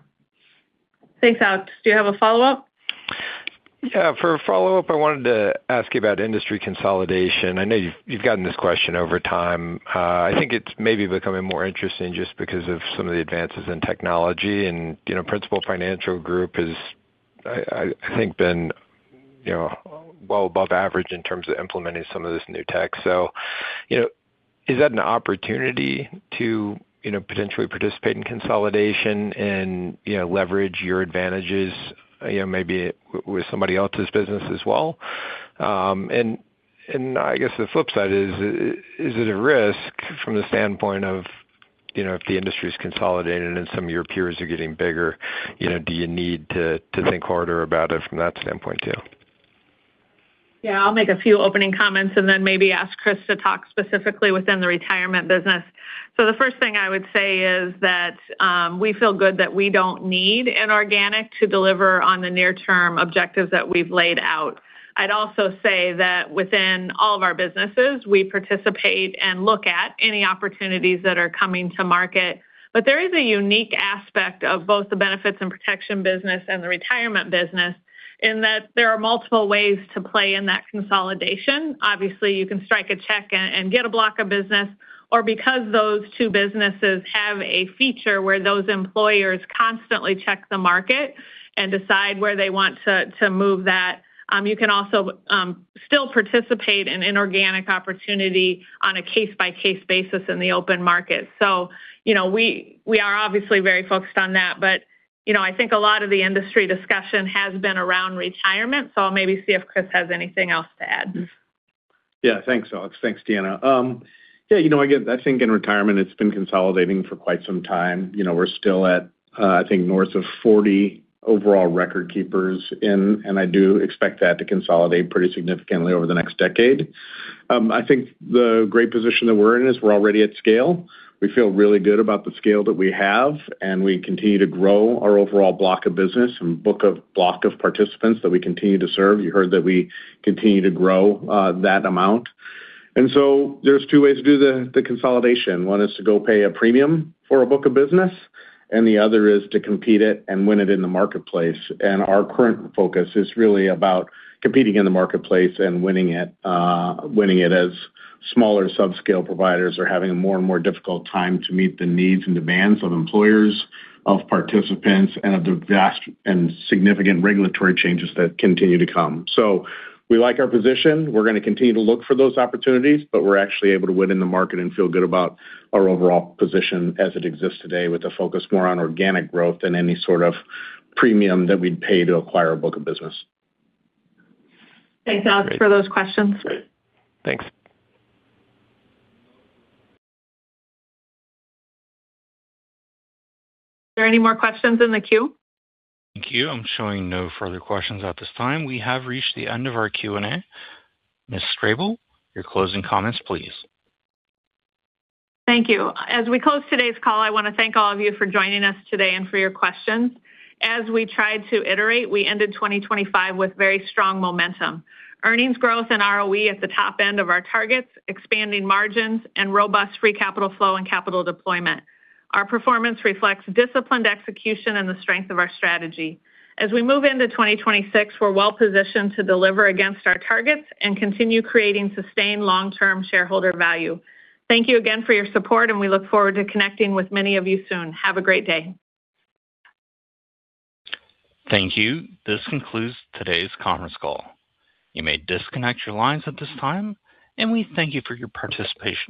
Thanks, Alex. Do you have a follow-up? Yeah. For a follow-up, I wanted to ask you about industry consolidation. I know you've gotten this question over time. I think it's maybe becoming more interesting just because of some of the advances in technology. And, you know, Principal Financial Group has, I think been, you know, well above average in terms of implementing some of this new tech. So, you know, is that an opportunity to, you know, potentially participate in consolidation and, you know, leverage your advantages, you know, maybe with somebody else's business as well? And I guess the flip side is, is it a risk from the standpoint of, you know, if the industry's consolidated and some of your peers are getting bigger, you know, do you need to think harder about it from that standpoint too? Yeah. I'll make a few opening comments and then maybe ask Chris to talk specifically within the retirement business. So the first thing I would say is that we feel good that we don't need an organic to deliver on the near-term objectives that we've laid out. I'd also say that within all of our businesses, we participate and look at any opportunities that are coming to market. But there is a unique aspect of both the Benefits and Protection business and the retirement business in that there are multiple ways to play in that consolidation. Obviously, you can strike a check and get a block of business. Or because those two businesses have a feature where those employers constantly check the market and decide where they want to move that, you can also still participate in an organic opportunity on a case-by-case basis in the open market. So, you know, we—we are obviously very focused on that. But, you know, I think a lot of the industry discussion has been around retirement. So I'll maybe see if Chris has anything else to add. Yeah. Thanks, Alex. Thanks, Deanna. Yeah, you know, again, I think in retirement, it's been consolidating for quite some time. You know, we're still at, I think, north of 40 overall record keepers. And I do expect that to consolidate pretty significantly over the next decade. I think the great position that we're in is we're already at scale. We feel really good about the scale that we have. And we continue to grow our overall block of business and book of block of participants that we continue to serve. You heard that we continue to grow, that amount. And so there's two ways to do the consolidation. One is to go pay a premium for a book of business. And the other is to compete it and win it in the marketplace. Our current focus is really about competing in the marketplace and winning it, winning it as smaller subscale providers are having a more and more difficult time to meet the needs and demands of employers, of participants, and of the vast and significant regulatory changes that continue to come. So we like our position. We're going to continue to look for those opportunities. But we're actually able to win in the market and feel good about our overall position as it exists today with a focus more on organic growth than any sort of premium that we'd pay to acquire a book of business. Thanks, Alex, for those questions. Great. Thanks. Are there any more questions in the queue? Thank you. I'm showing no further questions at this time. We have reached the end of our Q&A. Ms. Strable, your closing comments, please. Thank you. As we close today's call, I want to thank all of you for joining us today and for your questions. As we tried to iterate, we ended 2025 with very strong momentum, earnings growth and ROE at the top end of our targets, expanding margins, and robust free capital flow and capital deployment. Our performance reflects disciplined execution and the strength of our strategy. As we move into 2026, we're well positioned to deliver against our targets and continue creating sustained long-term shareholder value. Thank you again for your support, and we look forward to connecting with many of you soon. Have a great day. Thank you. This concludes today's conference call. You may disconnect your lines at this time. We thank you for your participation.